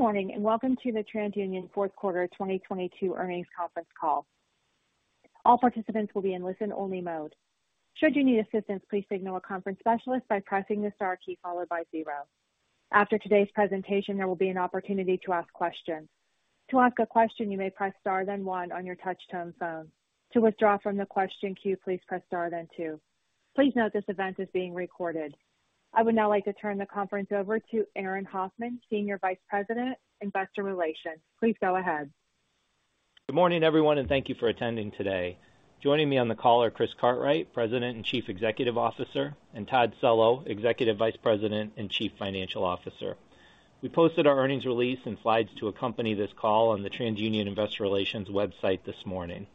Good morning, welcome to the TransUnion Fourth Quarter 2022 Earnings Conference Call. All participants will be in listen-only mode. Should you need assistance, please signal a conference specialist by pressing the star key followed by zero. After today's presentation, there will be an opportunity to ask questions. To ask a question, you may press star then one on your touch tone phone. To withdraw from the question queue, please press star then two. Please note this event is being recorded. I would now like to turn the conference over to Aaron Hoffman, Senior Vice President, Investor Relations. Please go ahead. Good morning, everyone, and thank you for attending today. Joining me on the call are Chris Cartwright, President and Chief Executive Officer, and Todd Cello, Executive Vice President and Chief Financial Officer. We posted our earnings release and slides to accompany this call on the TransUnion Investor Relations website this morning.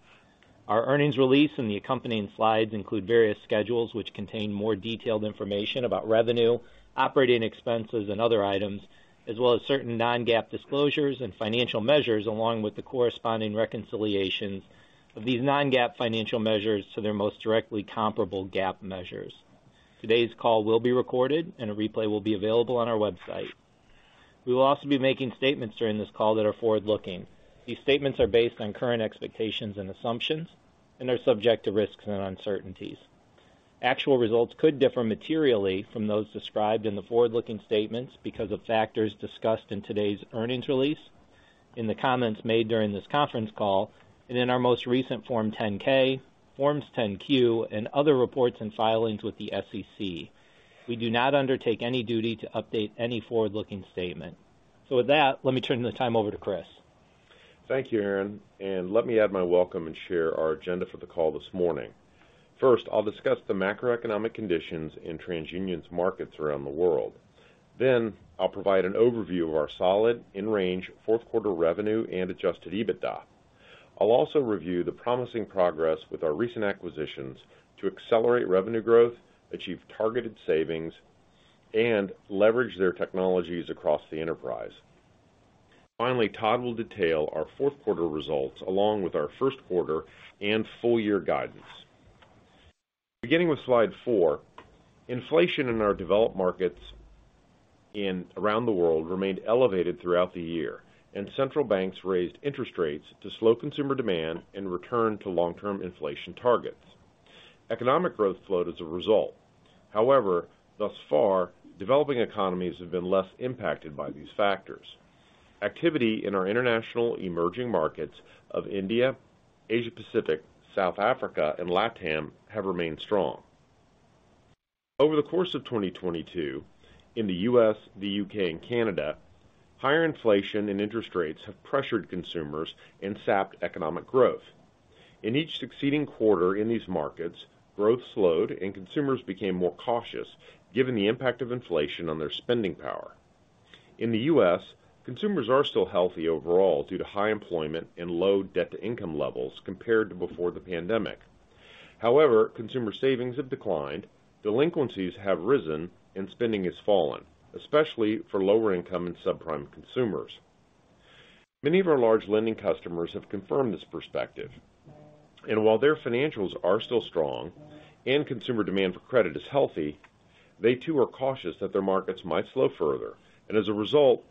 Our earnings release and the accompanying slides include various schedules which contain more detailed information about revenue, operating expenses, and other items, as well as certain non-GAAP disclosures and financial measures, along with the corresponding reconciliations of these non-GAAP financial measures to their most directly comparable GAAP measures. Today's call will be recorded and a replay will be available on our website. We will also be making statements during this call that are forward-looking. These statements are based on current expectations and assumptions and are subject to risks and uncertainties. Actual results could differ materially from those described in the forward-looking statements because of factors discussed in today's earnings release, in the comments made during this conference call, and in our most recent Form 10-K, Forms 10-Q, and other reports and filings with the SEC. We do not undertake any duty to update any forward-looking statement. With that, let me turn the time over to Chris. Thank you, Aaron. Let me add my welcome and share our agenda for the call this morning. First, I'll discuss the macroeconomic conditions in TransUnion's markets around the world. I'll provide an overview of our solid in-range fourth quarter revenue and adjusted EBITDA. I'll also review the promising progress with our recent acquisitions to accelerate revenue growth, achieve targeted savings, and leverage their technologies across the enterprise. Finally, Todd will detail our fourth quarter results along with our first quarter and full year guidance. Beginning with slide 4, inflation in our developed markets in around the world remained elevated throughout the year, and central banks raised interest rates to slow consumer demand and return to long-term inflation targets. Economic growth slowed as a result. However, thus far, developing economies have been less impacted by these factors. Activity in our international emerging markets of India, Asia Pacific, South Africa, and Latam have remained strong. Over the course of 2022 in the U.S., the U.K., and Canada, higher inflation and interest rates have pressured consumers and sapped economic growth. In each succeeding quarter in these markets, growth slowed and consumers became more cautious given the impact of inflation on their spending power. In the U.S., consumers are still healthy overall due to high employment and low debt-to-income levels compared to before the pandemic. However, consumer savings have declined, delinquencies have risen, and spending has fallen, especially for lower income and subprime consumers. Many of our large lending customers have confirmed this perspective, and while their financials are still strong and consumer demand for credit is healthy, they too are cautious that their markets might slow further and as a result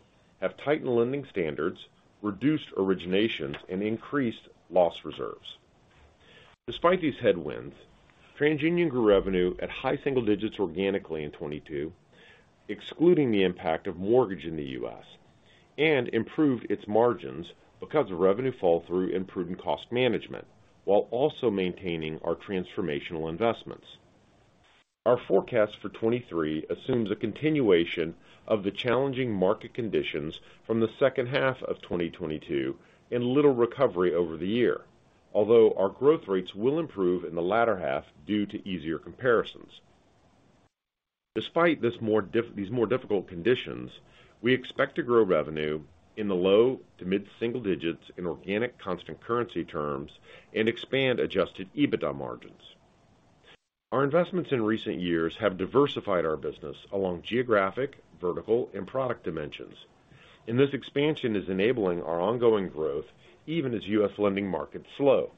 have tightened lending standards, reduced originations and increased loss reserves. Despite these headwinds, TransUnion grew revenue at high single digits organically in 2022, excluding the impact of mortgage in the U.S., and improved its margins because of revenue flow-through improved cost management while also maintaining our transformational investments. Our forecast for 2023 assumes a continuation of the challenging market conditions from the second half of 2022 and little recovery over the year, although our growth rates will improve in the latter half due to easier comparisons. Despite these more difficult conditions, we expect to grow revenue in the low to mid single digits in organic constant currency terms and expand adjusted EBITDA margins. Our investments in recent years have diversified our business along geographic, vertical, and product dimensions. This expansion is enabling our ongoing growth even as U.S. lending markets slow.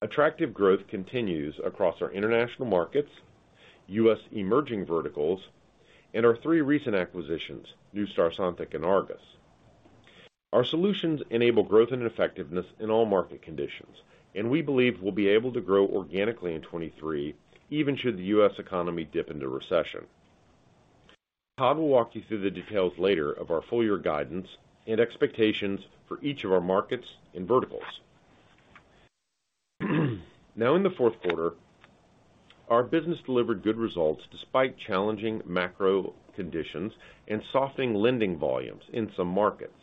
Attractive growth continues across our international markets, U.S. emerging verticals and our three recent acquisitions Neustar, Sontiq, and Argus. Our solutions enable growth and effectiveness in all market conditions, and we believe we'll be able to grow organically in 23 even should the U.S. economy dip into recession. Todd will walk you through the details later of our full year guidance and expectations for each of our markets and verticals. In the fourth quarter, our business delivered good results despite challenging macro conditions and softening lending volumes in some markets.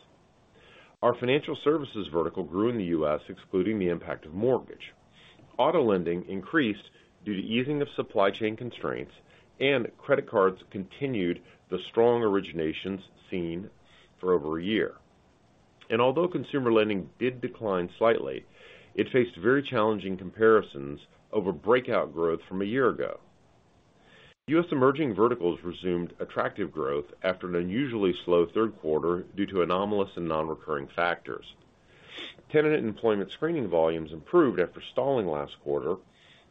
Our financial services vertical grew in the U.S., excluding the impact of mortgage. Auto lending increased due to easing of supply chain constraints, credit cards continued the strong originations seen for over a year. Although consumer lending did decline slightly, it faced very challenging comparisons over breakout growth from a year ago. U.S. emerging verticals resumed attractive growth after an unusually slow third quarter due to anomalous and non-recurring factors. Tenant and employment screening volumes improved after stalling last quarter,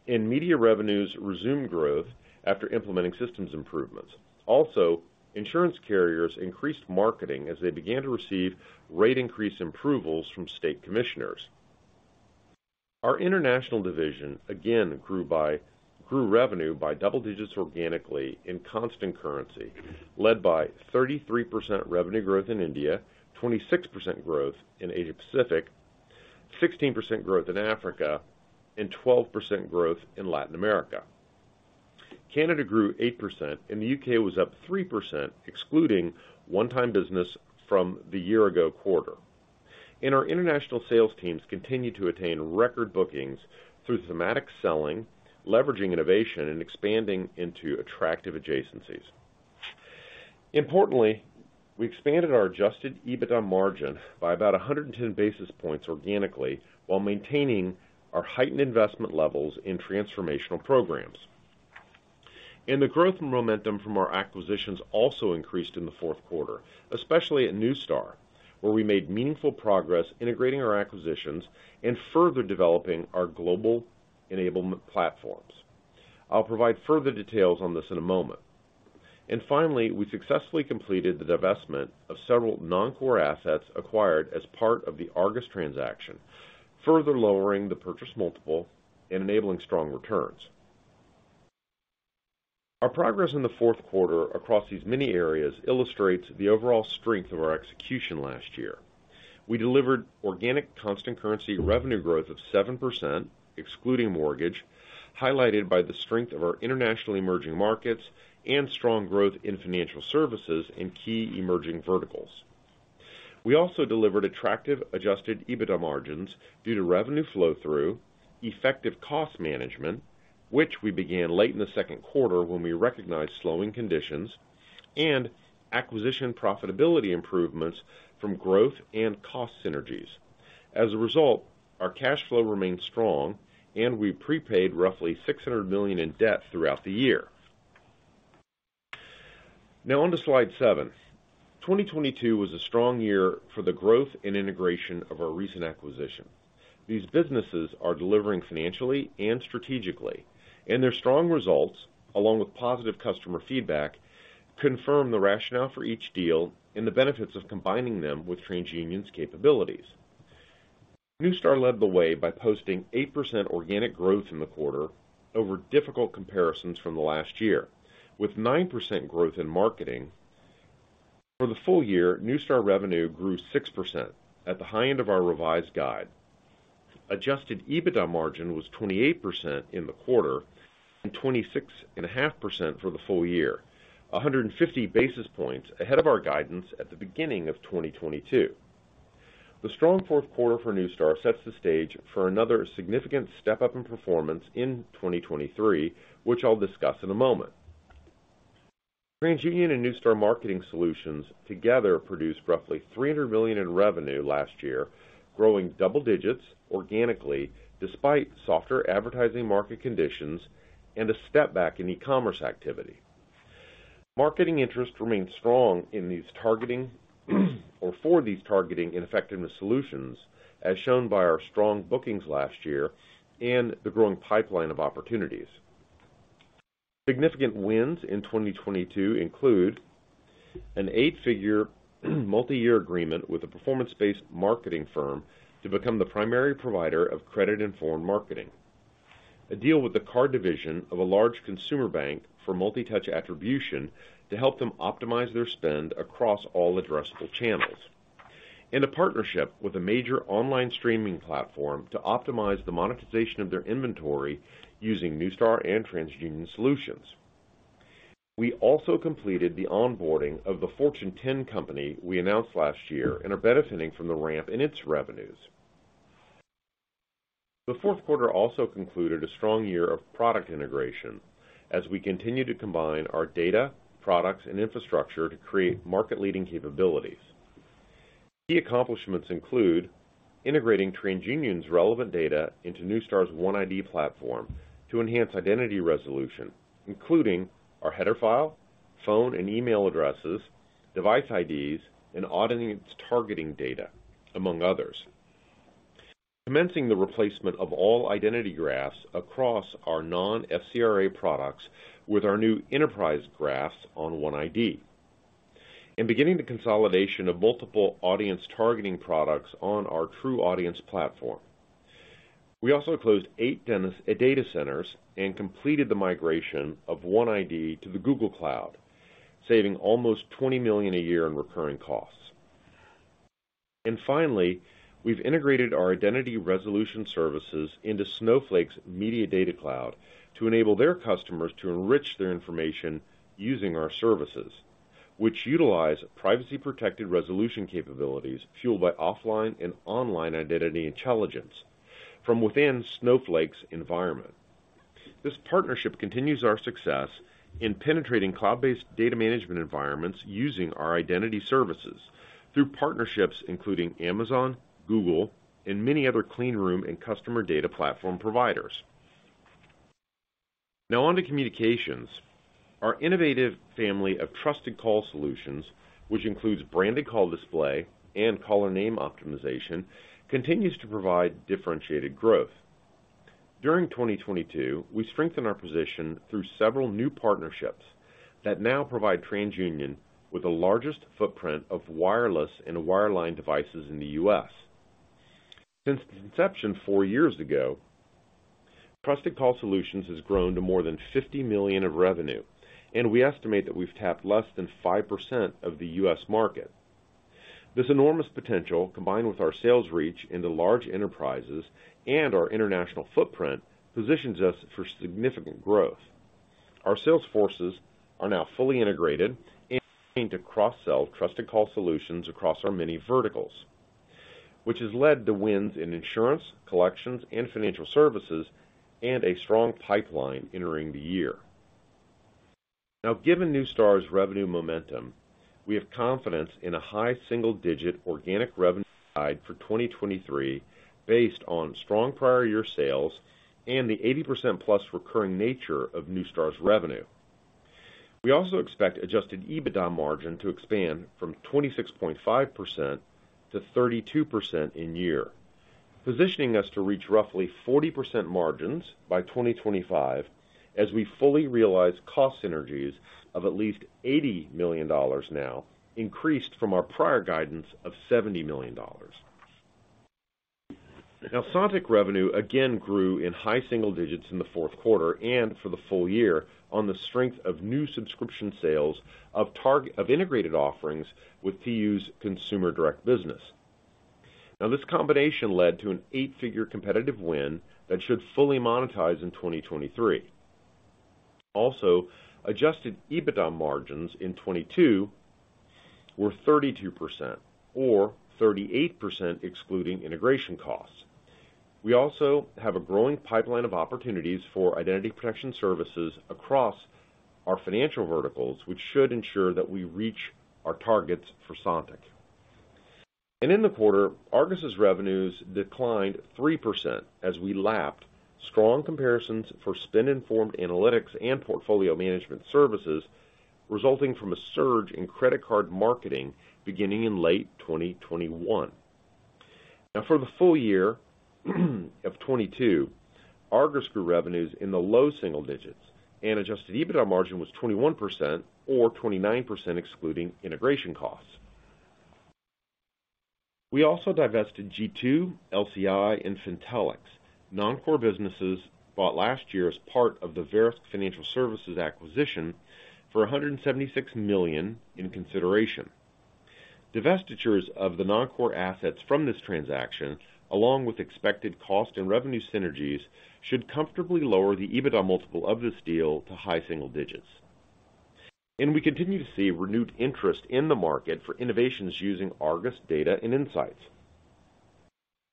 media revenues resumed growth after implementing systems improvements. Also, insurance carriers increased marketing as they began to receive rate increase approvals from state commissioners. Our international division again grew revenue by double digits organically in constant currency, led by 33% revenue growth in India, 26% growth in Asia Pacific, 16% growth in Africa, and 12% growth in Latin America. Canada grew 8% and the U.K. was up 3% excluding one-time business from the year ago quarter. Our international sales teams continued to attain record bookings through thematic selling, leveraging innovation, and expanding into attractive adjacencies. Importantly, we expanded our adjusted EBITDA margin by about 110 basis points organically while maintaining our heightened investment levels in transformational programs. The growth and momentum from our acquisitions also increased in the fourth quarter, especially at Neustar, where we made meaningful progress integrating our acquisitions and further developing our global enablement platforms. I'll provide further details on this in a moment. Finally, we successfully completed the divestment of several non-core assets acquired as part of the Argus transaction, further lowering the purchase multiple and enabling strong returns. Our progress in the fourth quarter across these many areas illustrates the overall strength of our execution last year. We delivered organic constant currency revenue growth of 7%, excluding mortgage, highlighted by the strength of our international emerging markets and strong growth in financial services in key emerging verticals. We also delivered attractive adjusted EBITDA margins due to revenue flow-through, effective cost management, which we began late in the second quarter when we recognized slowing conditions, and acquisition profitability improvements from growth and cost synergies. As a result, our cash flow remained strong and we prepaid roughly $600 million in debt throughout the year. On to slide 7. 2022 was a strong year for the growth and integration of our recent acquisition. These businesses are delivering financially and strategically, their strong results, along with positive customer feedback, confirm the rationale for each deal and the benefits of combining them with TransUnion's capabilities. Neustar led the way by posting 8% organic growth in the quarter over difficult comparisons from the last year, with 9% growth in marketing. For the full year, Neustar revenue grew 6% at the high end of our revised guide. Adjusted EBITDA margin was 28% in the quarter and 26.5% for the full year, 150 basis points ahead of our guidance at the beginning of 2022. The strong fourth quarter for Neustar sets the stage for another significant step-up in performance in 2023, which I'll discuss in a moment. TransUnion and Neustar Marketing Solutions together produced roughly $300 million in revenue last year, growing double digits organically despite softer advertising market conditions and a step back in e-commerce activity. Marketing interest remains strong for these targeting and effectiveness solutions, as shown by our strong bookings last year and the growing pipeline of opportunities. Significant wins in 2022 include an eight-figure multi-year agreement with a performance-based marketing firm to become the primary provider of credit-informed marketing, a deal with the card division of a large consumer bank for multi-touch attribution to help them optimize their spend across all addressable channels, and a partnership with a major online streaming platform to optimize the monetization of their inventory using Neustar and TransUnion solutions. We also completed the onboarding of the Fortune 10 company we announced last year and are benefiting from the ramp in its revenues. The fourth quarter also concluded a strong year of product integration as we continue to combine our data, products, and infrastructure to create market-leading capabilities. Key accomplishments include integrating TransUnion's relevant data into Neustar's OneID platform to enhance identity resolution, including our header file, phone and email addresses, device IDs, and audience targeting data, among others. Commencing the replacement of all identity graphs across our non-FCRA products with our new Enterprise Graph on OneID. Beginning the consolidation of multiple audience targeting products on our TruAudience platform. We also closed eight data centers and completed the migration of OneID to the Google Cloud, saving almost $20 million a year in recurring costs. Finally, we've integrated our identity resolution services into Snowflake's Media Data Cloud to enable their customers to enrich their information using our services, which utilize privacy-protected resolution capabilities fueled by offline and online identity intelligence from within Snowflake's environment. This partnership continues our success in penetrating cloud-based data management environments using our identity services through partnerships including Amazon, Google, and many other clean room and customer data platform providers. Now on to communications. Our innovative family of Trusted Call Solutions, which includes Branded Call Display and Caller Name Optimization, continues to provide differentiated growth. During 2022, we strengthened our position through several new partnerships that now provide TransUnion with the largest footprint of wireless and wireline devices in the U.S. Since the inception four years ago, Trusted Call Solutions has grown to more than $50 million of revenue. We estimate that we've tapped less than 5% of the U.S. market. This enormous potential, combined with our sales reach into large enterprises and our international footprint, positions us for significant growth. Our sales forces are now fully integrated and trained to cross-sell Trusted Call Solutions across our many verticals, which has led to wins in insurance, collections, and financial services, and a strong pipeline entering the year. Given Neustar's revenue momentum, we have confidence in a high single-digit organic revenue guide for 2023 based on strong prior year sales and the +80% recurring nature of Neustar's revenue. We also expect adjusted EBITDA margin to expand from 26.5% to 32% in year, positioning us to reach roughly 40% margins by 2025 as we fully realize cost synergies of at least $80 million now, increased from our prior guidance of $70 million. Now, Sontiq revenue again grew in high single digits in Q4 and for the full year on the strength of new subscription sales of integrated offerings with TU's consumer direct business. Now, this combination led to an eight-figure competitive win that should fully monetize in 2023. Also, adjusted EBITDA margins in 2022 were 32%, or 38% excluding integration costs. We also have a growing pipeline of opportunities for identity protection services across our financial verticals, which should ensure that we reach our targets for Sontiq. In the quarter, Argus' revenues declined 3% as we lapped strong comparisons for spend-informed analytics and portfolio management services resulting from a surge in credit card marketing beginning in late 2021. For the full year of 2022, Argus grew revenues in the low single digits and adjusted EBITDA margin was 21% or 29% excluding integration costs. We also divested G2, LCI, and Fintellix, non-core businesses bought last year as part of the Verisk Financial Services acquisition for $176 million in consideration. Divestitures of the non-core assets from this transaction, along with expected cost and revenue synergies, should comfortably lower the EBITDA multiple of this deal to high single digits. We continue to see renewed interest in the market for innovations using Argus data and insights.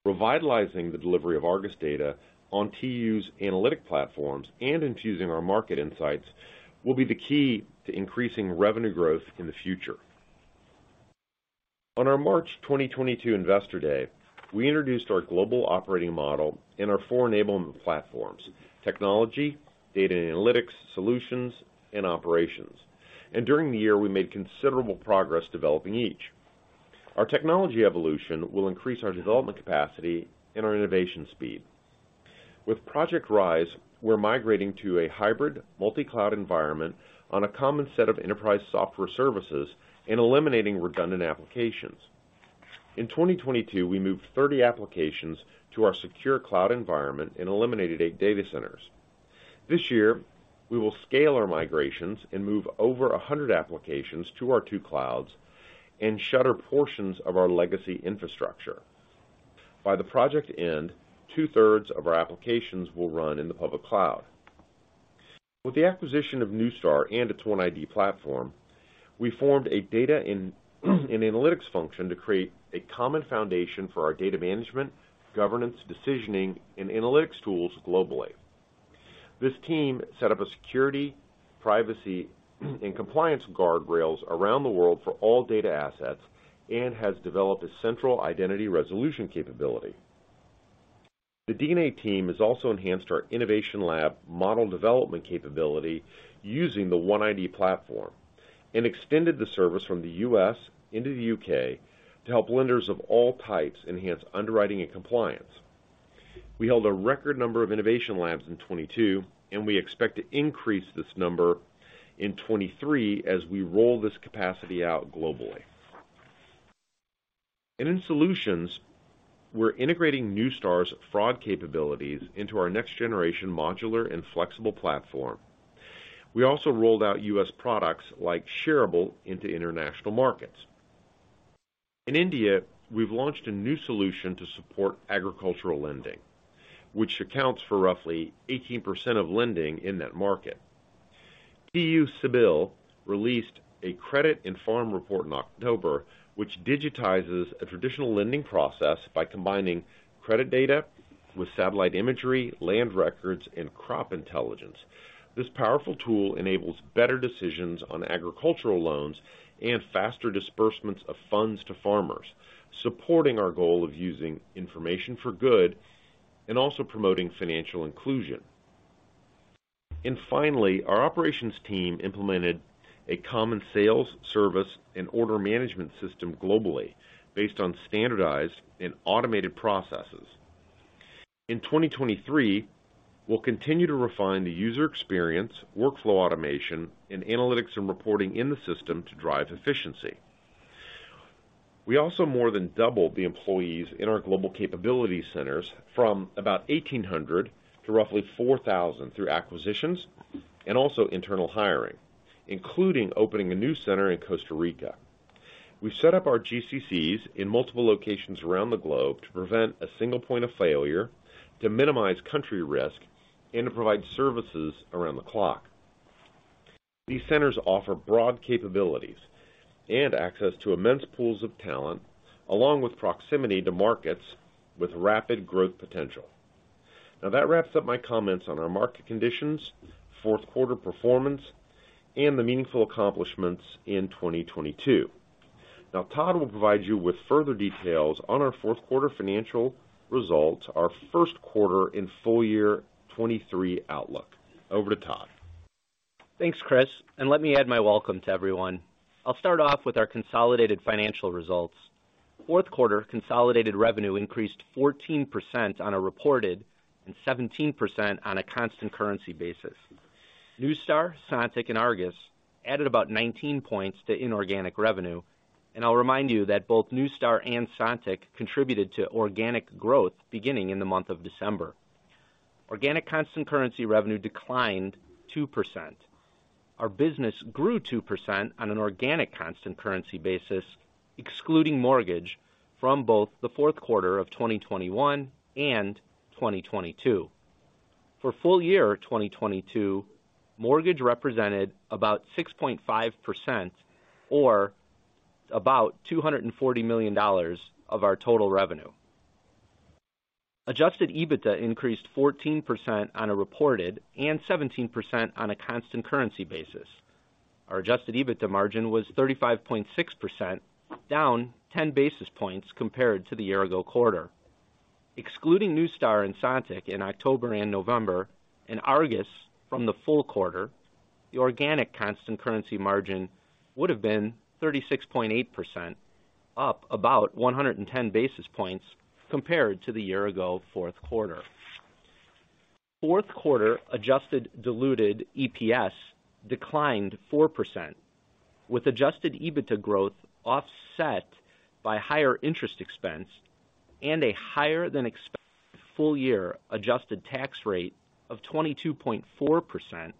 Revitalizing the delivery of Argus data on TU's analytics platforms and infusing our market insights will be the key to increasing revenue growth in the future. On our March 2022 Investor Day, we introduced our global operating model and our four enablement platforms: technology, data and analytics, solutions, and operations. During the year, we made considerable progress developing each. Our technology evolution will increase our development capacity and our innovation speed. With Project Rise, we're migrating to a hybrid multi-cloud environment on a common set of enterprise software services and eliminating redundant applications. In 2022, we moved 30 applications to our secure cloud environment and eliminated eight data centers. This year, we will scale our migrations and move over 100 applications to our two clouds and shutter portions of our legacy infrastructure. By the Project end, two-thirds of our applications will run in the public cloud. With the acquisition of Neustar and its OneID platform, we formed a data and analytics function to create a common foundation for our data management, governance, decisioning, and analytics tools globally. This team set up a security, privacy, and compliance guardrails around the world for all data assets and has developed a central identity resolution capability. The D&A team has also enhanced our innovation lab model development capability using the OneID platform and extended the service from the U.S. into the U.K. to help lenders of all types enhance underwriting and compliance. We held a record number of innovation labs in 2022, we expect to increase this number in 2023 as we roll this capacity out globally. In solutions, we're integrating Neustar's fraud capabilities into our next-generation modular and flexible platform. We also rolled out U.S. products like ShareAble into international markets. In India, we've launched a new solution to support agricultural lending, which accounts for roughly 18% of lending in that market. TU CIBIL released a credit and farm report in October, which digitizes a traditional lending process by combining credit data with satellite imagery, land records, and crop intelligence. This powerful tool enables better decisions on agricultural loans and faster disbursements of funds to farmers, supporting our goal of using information for good and also promoting financial inclusion. Finally, our operations team implemented a common sales service and order management system globally based on standardized and automated processes. In 2023, we'll continue to refine the user experience, workflow automation, and analytics and reporting in the system to drive efficiency. We also more than doubled the employees in our Global Capability Centers from about 1,800 to roughly 4,000 through acquisitions and also internal hiring, including opening a new center in Costa Rica. We set up our GCCs in multiple locations around the globe to prevent a single point of failure, to minimize country risk, and to provide services around the clock. These centers offer broad capabilities and access to immense pools of talent, along with proximity to markets with rapid growth potential. That wraps up my comments on our market conditions, fourth quarter performance, and the meaningful accomplishments in 2022. Todd will provide you with further details on our fourth quarter financial results, our first quarter in full year 2023 outlook. Over to Todd. Thanks, Chris. Let me add my welcome to everyone. I'll start off with our consolidated financial results. fourth quarter consolidated revenue increased 14% on a reported and 17% on a constant currency basis. Neustar, Sontiq, and Argus added about 19 points to inorganic revenue, and I'll remind you that both Neustar and Sontiq contributed to organic growth beginning in the month of December. Organic constant currency revenue declined 2%. Our business grew 2% on an organic constant currency basis, excluding mortgage from both the fourth quarter of 2021 and 2022. For full year 2022, mortgage represented about 6.5% or about $240 million of our total revenue. Adjusted EBITDA increased 14% on a reported and 17% on a constant currency basis. Our adjusted EBITDA margin was 35.6%, down 10 basis points compared to the year ago quarter. Excluding Neustar and Sontiq in October and November, and Argus from the full quarter, the organic constant currency margin would have been 36.8%, up about 110 basis points compared to the year ago fourth quarter. Fourth quarter adjusted diluted EPS declined 4%, with adjusted EBITDA growth offset by higher interest expense and a higher than expected full year adjusted tax rate of 22.4%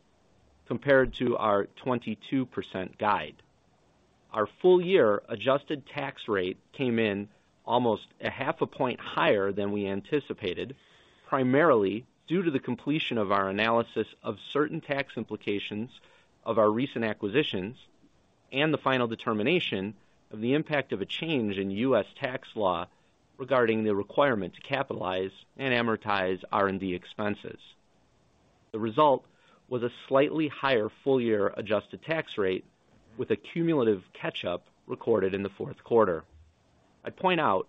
compared to our 22% guide. Our full year adjusted tax rate came in almost a half a point higher than we anticipated, primarily due to the completion of our analysis of certain tax implications of our recent acquisitions and the final determination of the impact of a change in U.S. tax law regarding the requirement to capitalize and amortize R&D expenses. The result was a slightly higher full year adjusted tax rate with a cumulative catch-up recorded in the fourth quarter. I point out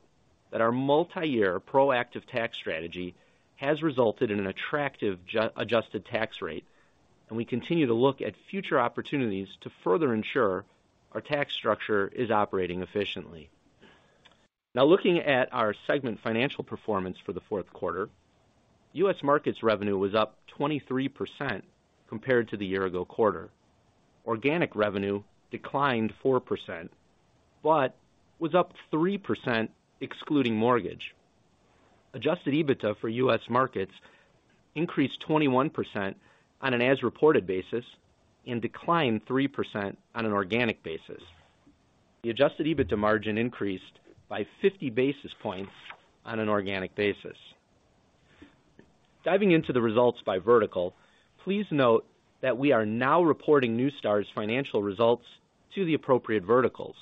that our multi-year proactive tax strategy has resulted in an attractive adjusted tax rate, and we continue to look at future opportunities to further ensure our tax structure is operating efficiently. Now looking at our segment financial performance for the fourth quarter, U.S. Markets revenue was up 23% compared to the year ago quarter. Organic revenue declined 4%, but was up 3% excluding mortgage. Adjusted EBITDA for U.S. Markets increased 21% on an as-reported basis and declined 3% on an organic basis. The adjusted EBITDA margin increased by 50 basis points on an organic basis. Diving into the results by vertical, please note that we are now reporting Neustar's financial results to the appropriate verticals.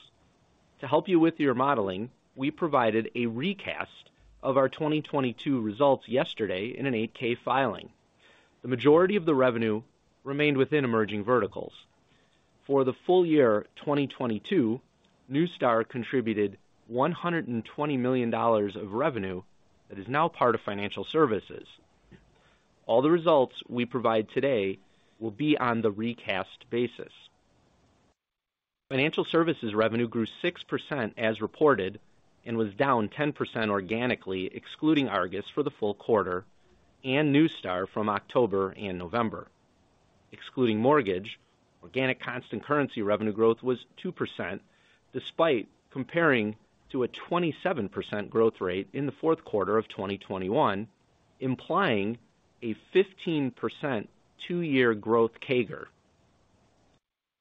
To help you with your modeling, we provided a recast of our 2022 results yesterday in an 8-K filing. The majority of the revenue remained within emerging verticals. For the full year 2022, Neustar contributed $120 million of revenue that is now part of financial services. All the results we provide today will be on the recast basis. Financial services revenue grew 6% as reported and was down 10% organically, excluding Argus for the full quarter and Neustar from October and November. Excluding mortgage, organic constant currency revenue growth was 2%, despite comparing to a 27% growth rate in the fourth quarter of 2021, implying a 15% two-year growth CAGR.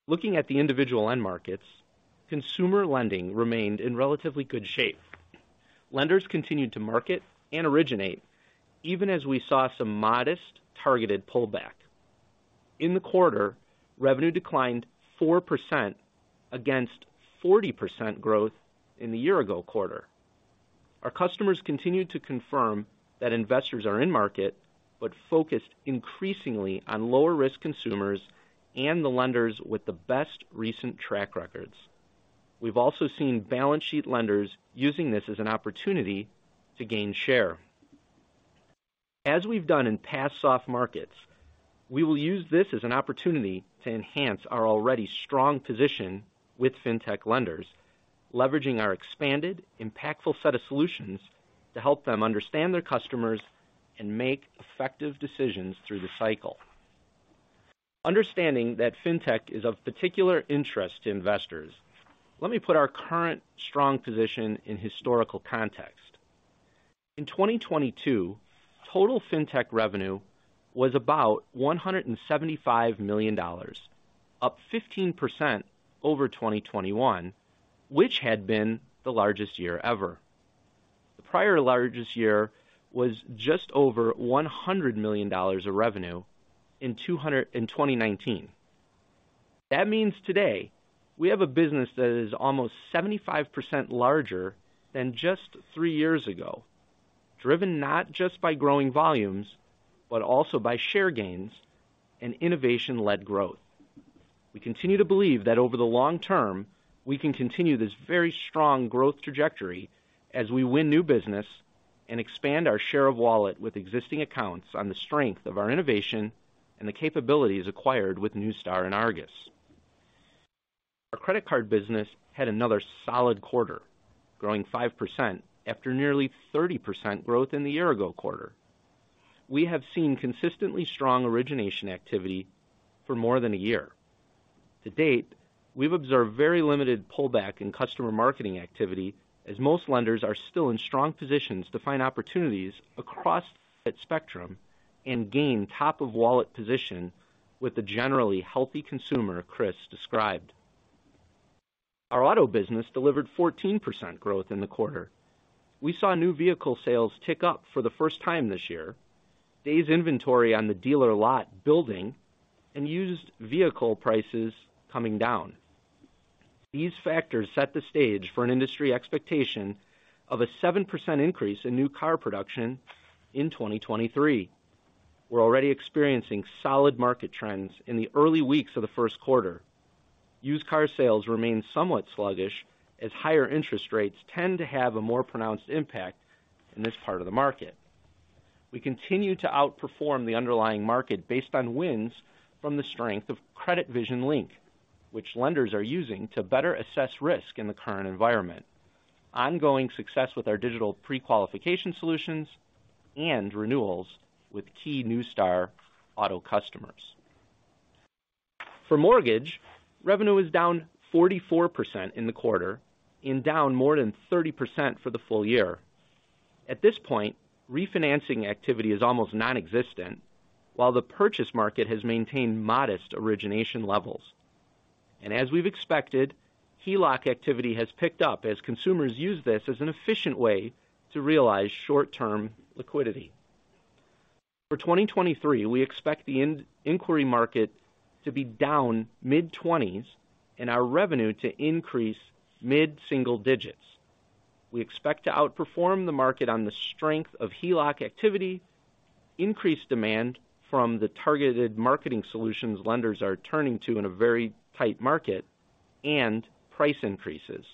Looking at the individual end markets, consumer lending remained in relatively good shape. Lenders continued to market and originate even as we saw some modest targeted pullback. In the quarter, revenue declined 4% against 40% growth in the year ago quarter. Our customers continued to confirm that investors are in market but focused increasingly on lower risk consumers and the lenders with the best recent track records. We've also seen balance sheet lenders using this as an opportunity to gain share. As we've done in past soft markets, we will use this as an opportunity to enhance our already strong position with fintech lenders, leveraging our expanded, impactful set of solutions to help them understand their customers and make effective decisions through the cycle. Understanding that fintech is of particular interest to investors, let me put our current strong position in historical context. In 2022, total fintech revenue was about $175 million, up 15% over 2021, which had been the largest year ever. The prior largest year was just over $100 million of revenue in 2019. Today we have a business that is almost 75% larger than just three years ago, driven not just by growing volumes, but also by share gains and innovation-led growth. We continue to believe that over the long term, we can continue this very strong growth trajectory as we win new business and expand our share of wallet with existing accounts on the strength of our innovation and the capabilities acquired with Neustar and Argus. Our credit card business had another solid quarter, growing 5% after nearly 30% growth in the year ago quarter. We have seen consistently strong origination activity for more than a year. To date, we've observed very limited pullback in customer marketing activity as most lenders are still in strong positions to find opportunities across that spectrum and gain top-of-wallet position with the generally healthy consumer Chris described. Our auto business delivered 14% growth in the quarter. We saw new vehicle sales tick up for the first time this year, days inventory on the dealer lot building, used vehicle prices coming down. These factors set the stage for an industry expectation of a 7% increase in new car production in 2023. We're already experiencing solid market trends in the early weeks of the first quarter. Used car sales remain somewhat sluggish as higher interest rates tend to have a more pronounced impact in this part of the market. We continue to outperform the underlying market based on wins from the strength of CreditVision Link, which lenders are using to better assess risk in the current environment, ongoing success with our digital pre-qualification solutions, and renewals with key Neustar auto customers. For mortgage, revenue is down 44% in the quarter and down more than 30% for the full year. At this point, refinancing activity is almost non-existent, while the purchase market has maintained modest origination levels. As we've expected, HELOC activity has picked up as consumers use this as an efficient way to realize short-term liquidity. For 2023, we expect the inquiry market to be down mid-20s% and our revenue to increase mid-single-digit%. We expect to outperform the market on the strength of HELOC activity, increased demand from the targeted marketing solutions lenders are turning to in a very tight market, and price increases.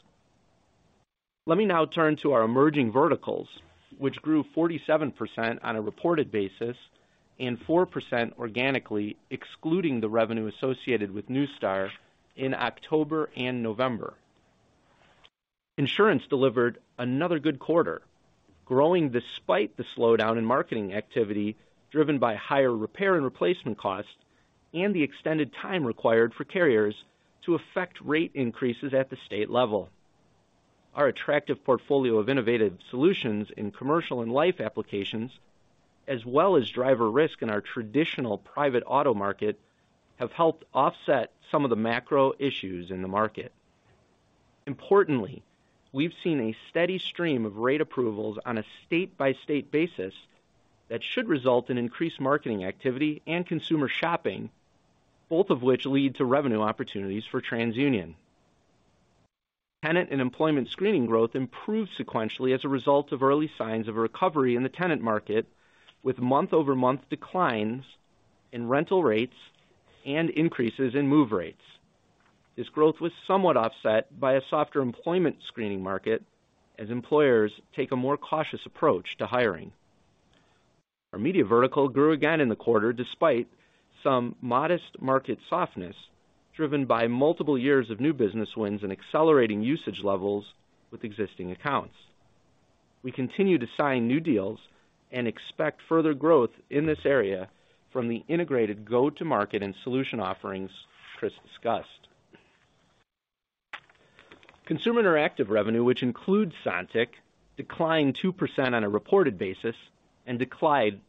Let me now turn to our emerging verticals, which grew 47% on a reported basis and 4% organically, excluding the revenue associated with Neustar in October and November. Insurance delivered another good quarter, growing despite the slowdown in marketing activity driven by higher repair and replacement costs and the extended time required for carriers to affect rate increases at the state level. Our attractive portfolio of innovative solutions in commercial and life applications, as well as driver risk in our traditional private auto market, have helped offset some of the macro issues in the market. Importantly, we've seen a steady stream of rate approvals on a state-by-state basis that should result in increased marketing activity and consumer shopping, both of which lead to revenue opportunities for TransUnion. Tenant and employment screening growth improved sequentially as a result of early signs of a recovery in the tenant market, with month-over-month declines in rental rates and increases in move rates. This growth was somewhat offset by a softer employment screening market as employers take a more cautious approach to hiring. Our media vertical grew again in the quarter despite some modest market softness driven by multiple years of new business wins and accelerating usage levels with existing accounts. We continue to sign new deals and expect further growth in this area from the integrated go-to-market and solution offerings Chris discussed. Consumer Interactive revenue, which includes Sontiq, declined 2% on a reported basis and declined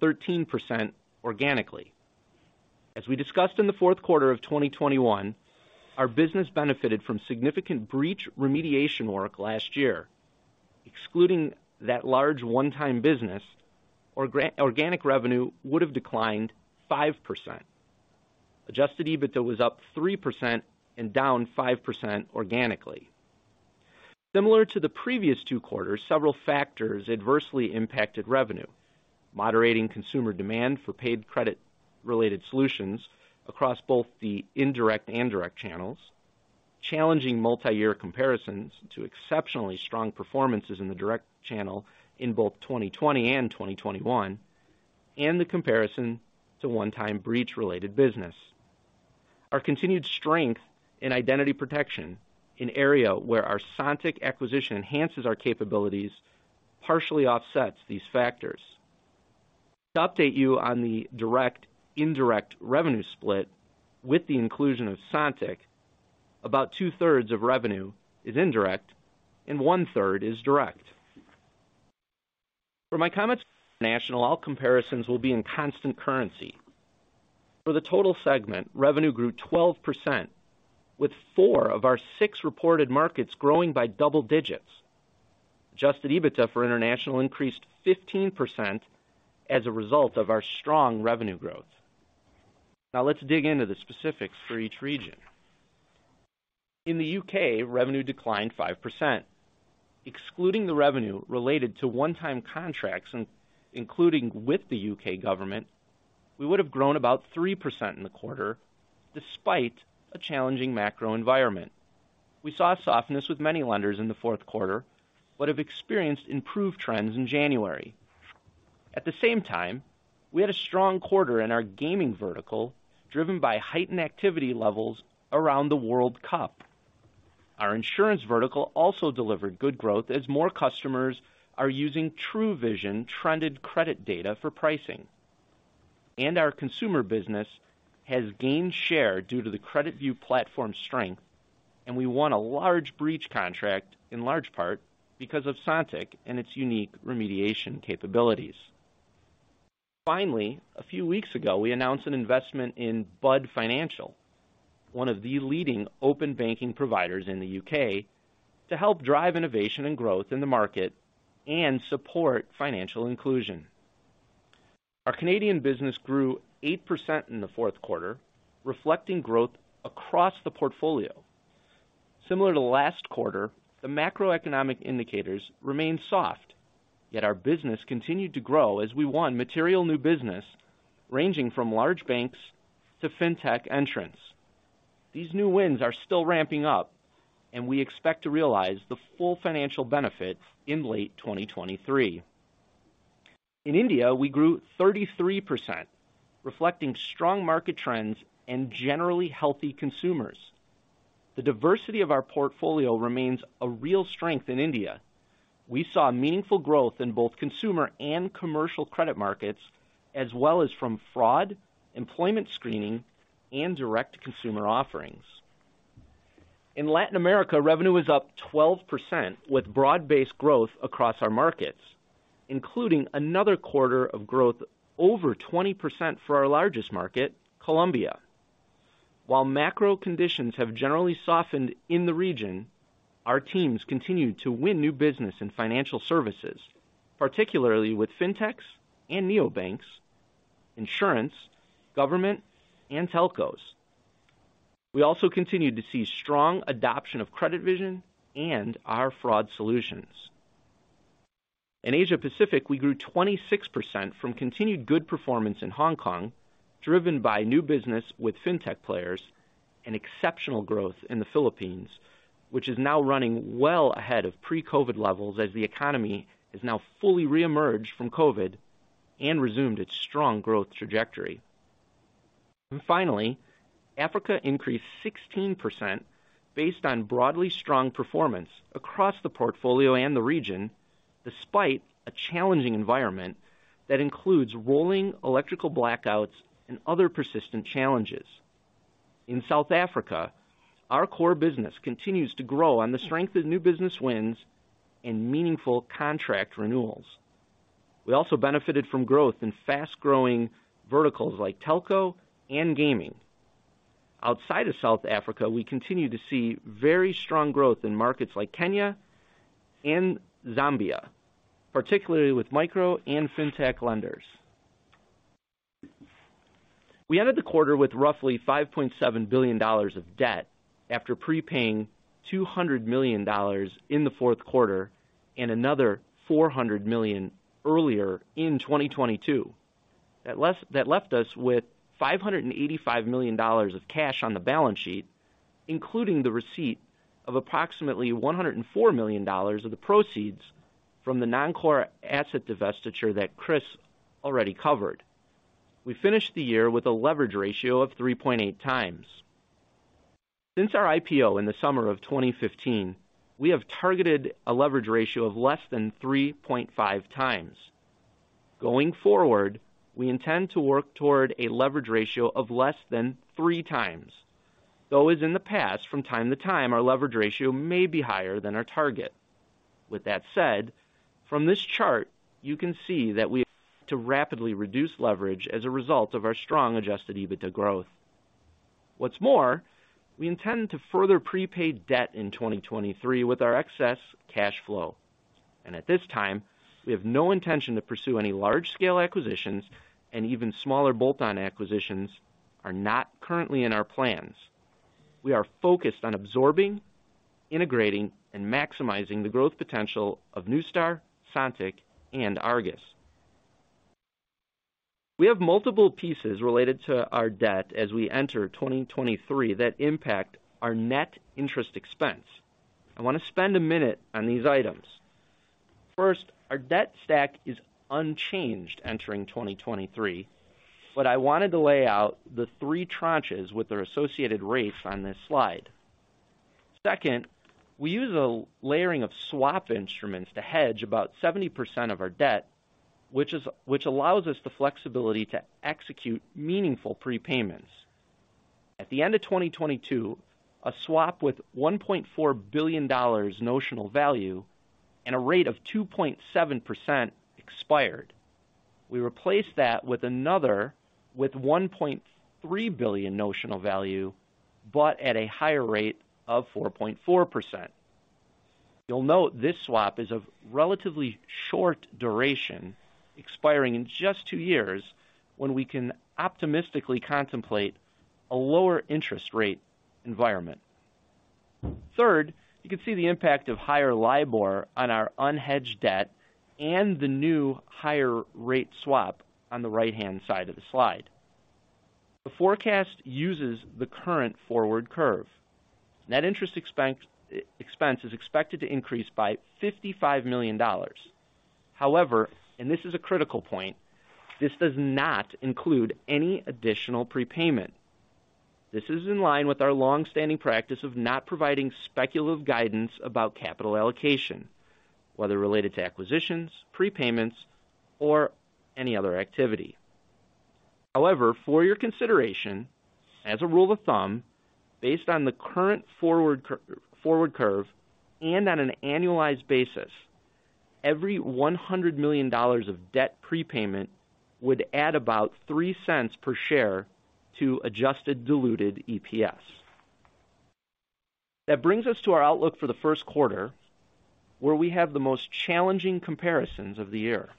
13% organically. As we discussed in the fourth quarter of 2021, our business benefited from significant breach remediation work last year. Excluding that large one-time business, organic revenue would have declined 5%. Adjusted EBITDA was up 3% and down 5% organically. Similar to the previous two quarters, several factors adversely impacted revenue. Moderating consumer demand for paid credit-related solutions across both the indirect and direct channels, challenging multi-year comparisons to exceptionally strong performances in the direct channel in both 2020 and 2021, and the comparison to one-time breach-related business. Our continued strength in identity protection, an area where our Sontiq acquisition enhances our capabilities, partially offsets these factors. To update you on the direct indirect revenue split with the inclusion of Sontiq, about 2/3 of revenue is indirect and 1/3 is direct. For my comments on International, all comparisons will be in constant currency. For the total segment, revenue grew 12%, with four of our six reported markets growing by double digits. Adjusted EBITDA for International increased 15% as a result of our strong revenue growth. Let's dig into the specifics for each region. In the U.K., revenue declined 5%. Excluding the revenue related to one-time contracts, including with the U.K. government, we would have grown about 3% in the quarter despite a challenging macro environment. We saw a softness with many lenders in the fourth quarter, but have experienced improved trends in January. At the same time, we had a strong quarter in our gaming vertical, driven by heightened activity levels around the World Cup. Our insurance vertical also delivered good growth as more customers are using TrueVision trended credit data for pricing. Our consumer business has gained share due to the CreditView platform strength, and we won a large breach contract in large part because of Sontiq and its unique remediation capabilities. Finally, a few weeks ago, we announced an investment in Bud Financial, one of the leading open banking providers in the U.K., to help drive innovation and growth in the market and support financial inclusion. Our Canadian business grew 8% in the fourth quarter, reflecting growth across the portfolio. Similar to last quarter, the macroeconomic indicators remained soft, yet our business continued to grow as we won material new business ranging from large banks to fintech entrants. These new wins are still ramping up, and we expect to realize the full financial benefit in late 2023. In India, we grew 33%, reflecting strong market trends and generally healthy consumers. The diversity of our portfolio remains a real strength in India. We saw meaningful growth in both consumer and commercial credit markets, as well as from fraud, employment screening, and direct-to-consumer offerings. In Latin America, revenue was up 12%, with broad-based growth across our markets, including another quarter of growth over 20% for our largest market, Colombia. While macro conditions have generally softened in the region, our teams continued to win new business in financial services, particularly with fintechs and neobanks, insurance, government, and telcos. We also continued to see strong adoption of CreditVision and our fraud solutions. In Asia Pacific, we grew 26% from continued good performance in Hong Kong, driven by new business with fintech players and exceptional growth in the Philippines, which is now running well ahead of pre-COVID levels as the economy has now fully reemerged from COVID and resumed its strong growth trajectory. Africa increased 16% based on broadly strong performance across the portfolio and the region, despite a challenging environment that includes rolling electrical blackouts and other persistent challenges. In South Africa, our core business continues to grow on the strength of new business wins and meaningful contract renewals. We also benefited from growth in fast-growing verticals like telco and gaming. Outside of South Africa, we continue to see very strong growth in markets like Kenya and Zambia, particularly with micro and fintech lenders. We ended the quarter with roughly $5.7 billion of debt after prepaying $200 million in the 4th quarter and another $400 million earlier in 2022. That left us with $585 million of cash on the balance sheet, including the receipt of approximately $104 million of the proceeds from the non-core asset divestiture that Chris already covered. We finished the year with a leverage ratio of 3.8x. Since our IPO in the summer of 2015, we have targeted a leverage ratio of less than 3.5x. Going forward, we intend to work toward a leverage ratio of less than 3x, though as in the past, from time to time, our leverage ratio may be higher than our target. With that said, from this chart you can see that we have to rapidly reduce leverage as a result of our strong adjusted EBITDA growth. What's more, we intend to further prepay debt in 2023 with our excess cash flow. At this time, we have no intention to pursue any large-scale acquisitions, and even smaller bolt-on acquisitions are not currently in our plans. We are focused on absorbing, integrating, and maximizing the growth potential of Neustar, Sontiq, and Argus. We have multiple pieces related to our debt as we enter 2023 that impact our net interest expense. I want to spend a minute on these items. First, our debt stack is unchanged entering 2023, but I wanted to lay out the three tranches with their associated rates on this slide. We use a layering of swap instruments to hedge about 70% of our debt, which allows us the flexibility to execute meaningful prepayments. At the end of 2022, a swap with $1.4 billion notional value and a rate of 2.7% expired. We replaced that with another, with $1.3 billion notional value, but at a higher rate of 4.4%. You'll note this swap is of relatively short duration, expiring in just two years when we can optimistically contemplate a lower interest rate environment. You can see the impact of higher LIBOR on our unhedged debt and the new higher rate swap on the right-hand side of the slide. The forecast uses the current forward curve. Net interest expense is expected to increase by $55 million. This is a critical point, this does not include any additional prepayment. This is in line with our long-standing practice of not providing speculative guidance about capital allocation, whether related to acquisitions, prepayments, or any other activity. For your consideration, as a rule of thumb, based on the current forward curve and on an annualized basis, every $100 million of debt prepayment would add about $0.03 per share to adjusted diluted EPS. That brings us to our outlook for the first quarter, where we have the most challenging comparisons of the year.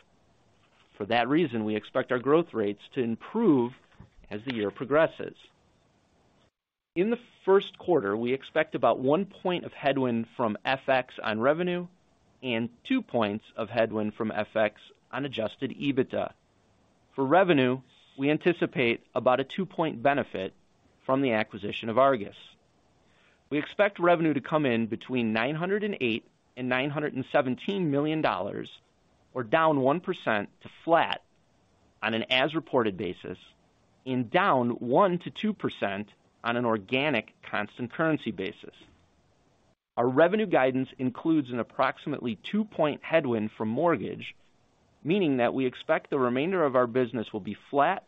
For that reason, we expect our growth rates to improve as the year progresses. In the first quarter, we expect about one point of headwind from FX on revenue and two points of headwind from FX on adjusted EBITDA. For revenue, we anticipate about a 2-point benefit from the acquisition of Argus. We expect revenue to come in between $908 million-$917 million or down 1% to flat on an as-reported basis and down 1%-2% on an organic constant currency basis. Our revenue guidance includes an approximately 2-point headwind for mortgage, meaning that we expect the remainder of our business will be flat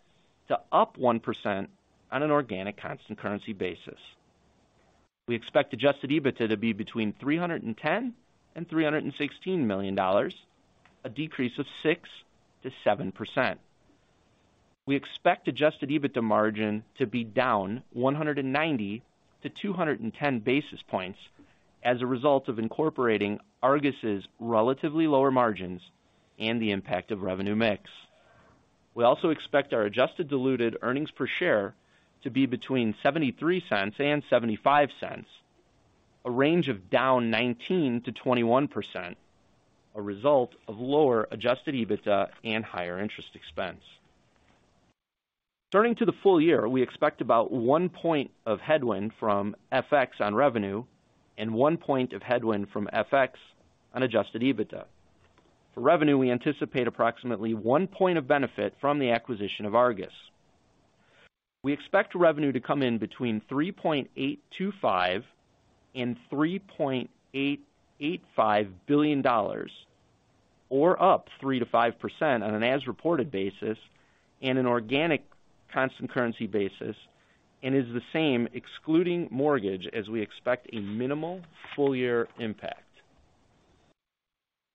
to up 1% on an organic constant currency basis. We expect adjusted EBITDA to be between $310 million-$316 million, a decrease of 6%-7%. We expect adjusted EBITDA margin to be down 190 to 210 basis points as a result of incorporating Argus' relatively lower margins and the impact of revenue mix. We also expect our adjusted diluted earnings per share to be between $0.73 and $0.75, a range of down 19%-21%, a result of lower adjusted EBITDA and higher interest expense. Turning to the full year, we expect about 1 point of headwind from FX on revenue and 1 point of headwind from FX on adjusted EBITDA. For revenue, we anticipate approximately 1 point of benefit from the acquisition of Argus. We expect revenue to come in between $3.825 billion-$3.885 billion or up 3%-5% on an as-reported basis and an organic constant currency basis, and is the same excluding mortgage as we expect a minimal full-year impact.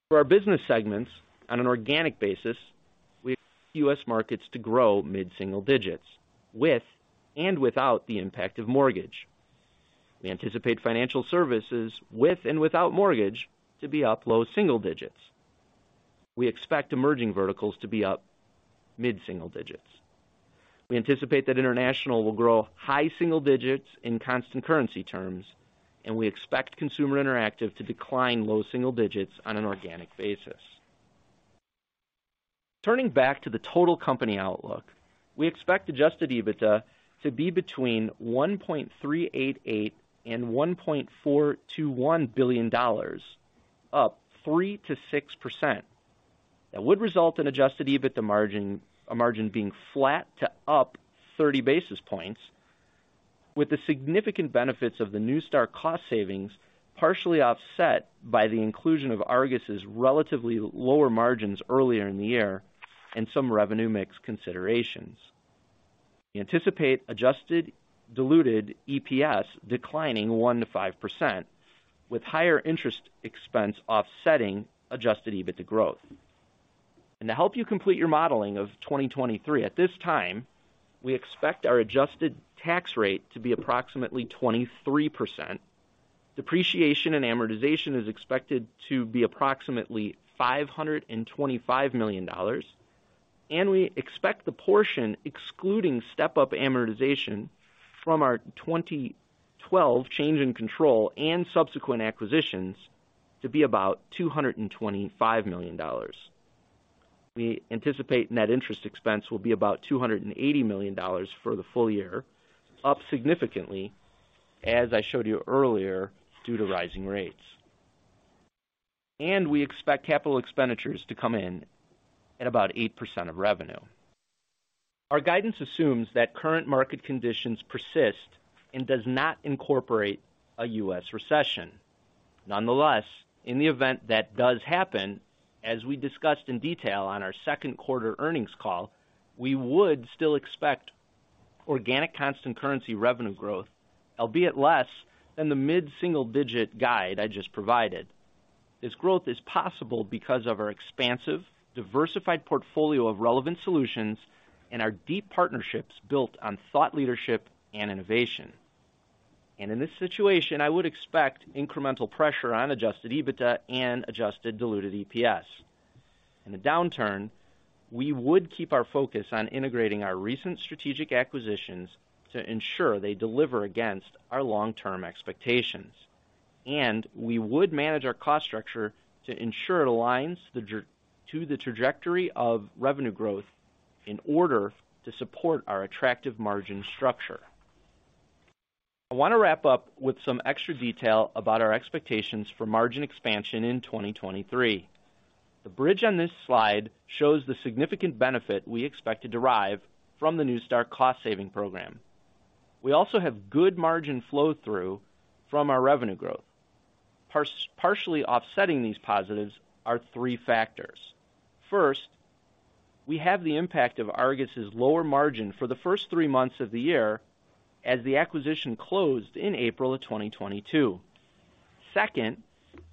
For our business segments on an organic basis, we U.S. Markets to grow mid-single digits with and without the impact of mortgage. We anticipate financial services with and without mortgage to be up low single digits. We expect emerging verticals to be up mid-single digits. We anticipate that international will grow high single digits in constant currency terms. We expect Consumer Interactive to decline low single digits on an organic basis. Turning back to the total company outlook, we expect adjusted EBITDA to be between $1.388 billion-$1.421 billion, up 3%-6%. That would result in adjusted EBITDA margin being flat to up 30 basis points, with the significant benefits of the Neustar cost savings partially offset by the inclusion of Argus' relatively lower margins earlier in the year and some revenue mix considerations. We anticipate adjusted diluted EPS declining 1%-5%, with higher interest expense offsetting adjusted EBITDA growth. To help you complete your modeling of 2023, at this time, we expect our adjusted tax rate to be approximately 23%. Depreciation and amortization is expected to be approximately $525 million. We expect the portion excluding step-up amortization from our 2012 change in control and subsequent acquisitions to be about $225 million. We anticipate net interest expense will be about $280 million for the full year, up significantly, as I showed you earlier, due to rising rates. We expect capital expenditures to come in at about 8% of revenue. Our guidance assumes that current market conditions persist and does not incorporate a U.S. recession. Nonetheless, in the event that does happen, as we discussed in detail on our second quarter earnings call, we would still expect organic constant currency revenue growth, albeit less than the mid-single digit guide I just provided. This growth is possible because of our expansive, diversified portfolio of relevant solutions and our deep partnerships built on thought leadership and innovation. In this situation, I would expect incremental pressure on adjusted EBITDA and adjusted diluted EPS. In a downturn, we would keep our focus on integrating our recent strategic acquisitions to ensure they deliver against our long-term expectations. We would manage our cost structure to ensure it aligns to the trajectory of revenue growth in order to support our attractive margin structure. I want to wrap up with some extra detail about our expectations for margin expansion in 2023. The bridge on this slide shows the significant benefit we expect to derive from the Neustar cost-saving program. We also have good margin flow-through from our revenue growth. Partially offsetting these positives are three factors. First, we have the impact of Argus's lower margin for the first three months of the year as the acquisition closed in April of 2022. Second,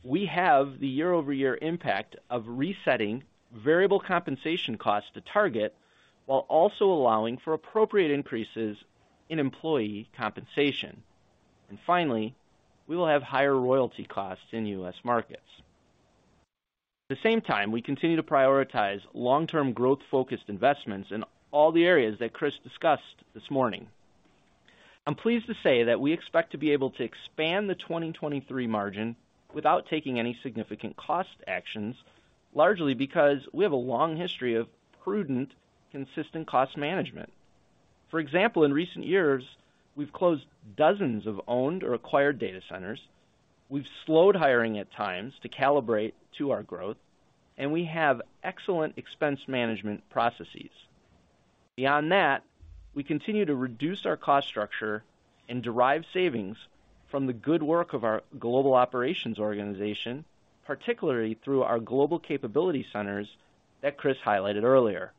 we have the year-over-year impact of resetting variable compensation costs to target while also allowing for appropriate increases in employee compensation. Finally, we will have higher royalty costs in U.S. Markets. At the same time, we continue to prioritize long-term growth-focused investments in all the areas that Chris discussed this morning. I'm pleased to say that we expect to be able to expand the 2023 margin without taking any significant cost actions, largely because we have a long history of prudent, consistent cost management. For example, in recent years, we've closed dozens of owned or acquired data centers, we've slowed hiring at times to calibrate to our growth, and we have excellent expense management processes. Beyond that, we continue to reduce our cost structure and derive savings from the good work of our global operations organization, particularly through our Global Capability Centers that Chris highlighted earlier.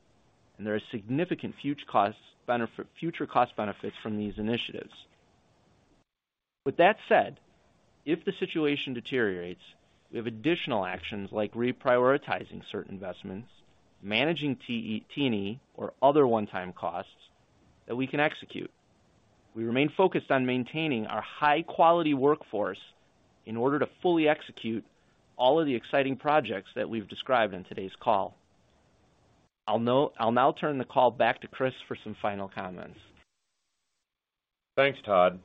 There are significant future cost benefits from these initiatives. With that said, if the situation deteriorates, we have additional actions like reprioritizing certain investments, managing T&E or other one-time costs that we can execute. We remain focused on maintaining our high-quality workforce in order to fully execute all of the exciting projects that we've described in today's call. I'll now turn the call back to Chris for some final comments. Thanks, Todd.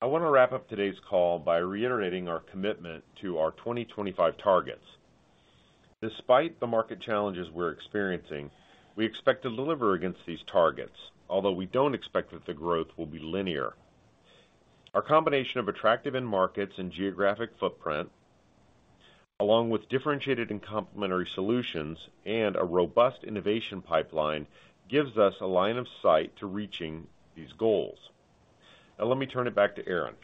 I want to wrap up today's call by reiterating our commitment to our 2025 targets. Despite the market challenges we're experiencing, we expect to deliver against these targets, although we don't expect that the growth will be linear. Our combination of attractive end markets and geographic footprint, along with differentiated and complementary solutions and a robust innovation pipeline, gives us a line of sight to reaching these goals. Now let me turn it back to Aaron.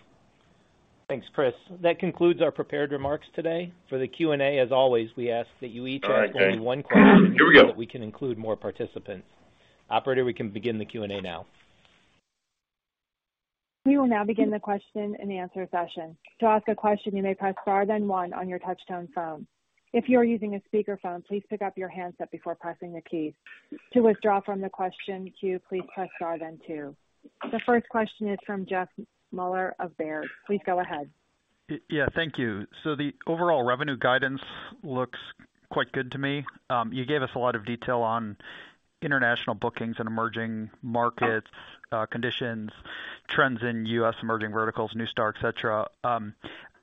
Thanks, Chris. That concludes our prepared remarks today. For the Q&A, as always, we ask that you each ask only one question. All right, gang. Here we go. So that we can include more participants. Operator, we can begin the Q&A now. We will now begin the question and answer session. To ask a question, you may press star then one on your touchtone phone. If you are using a speaker phone, please pick up your handset before pressing the keys. To withdraw from the question queue, please press star then two. The first question is from Jeffrey Meuler of Baird. Please go ahead. Yeah, thank you. The overall revenue guidance looks quite good to me. You gave us a lot of detail on international bookings and emerging markets, conditions, trends in U.S. emerging verticals, Neustar, et cetera.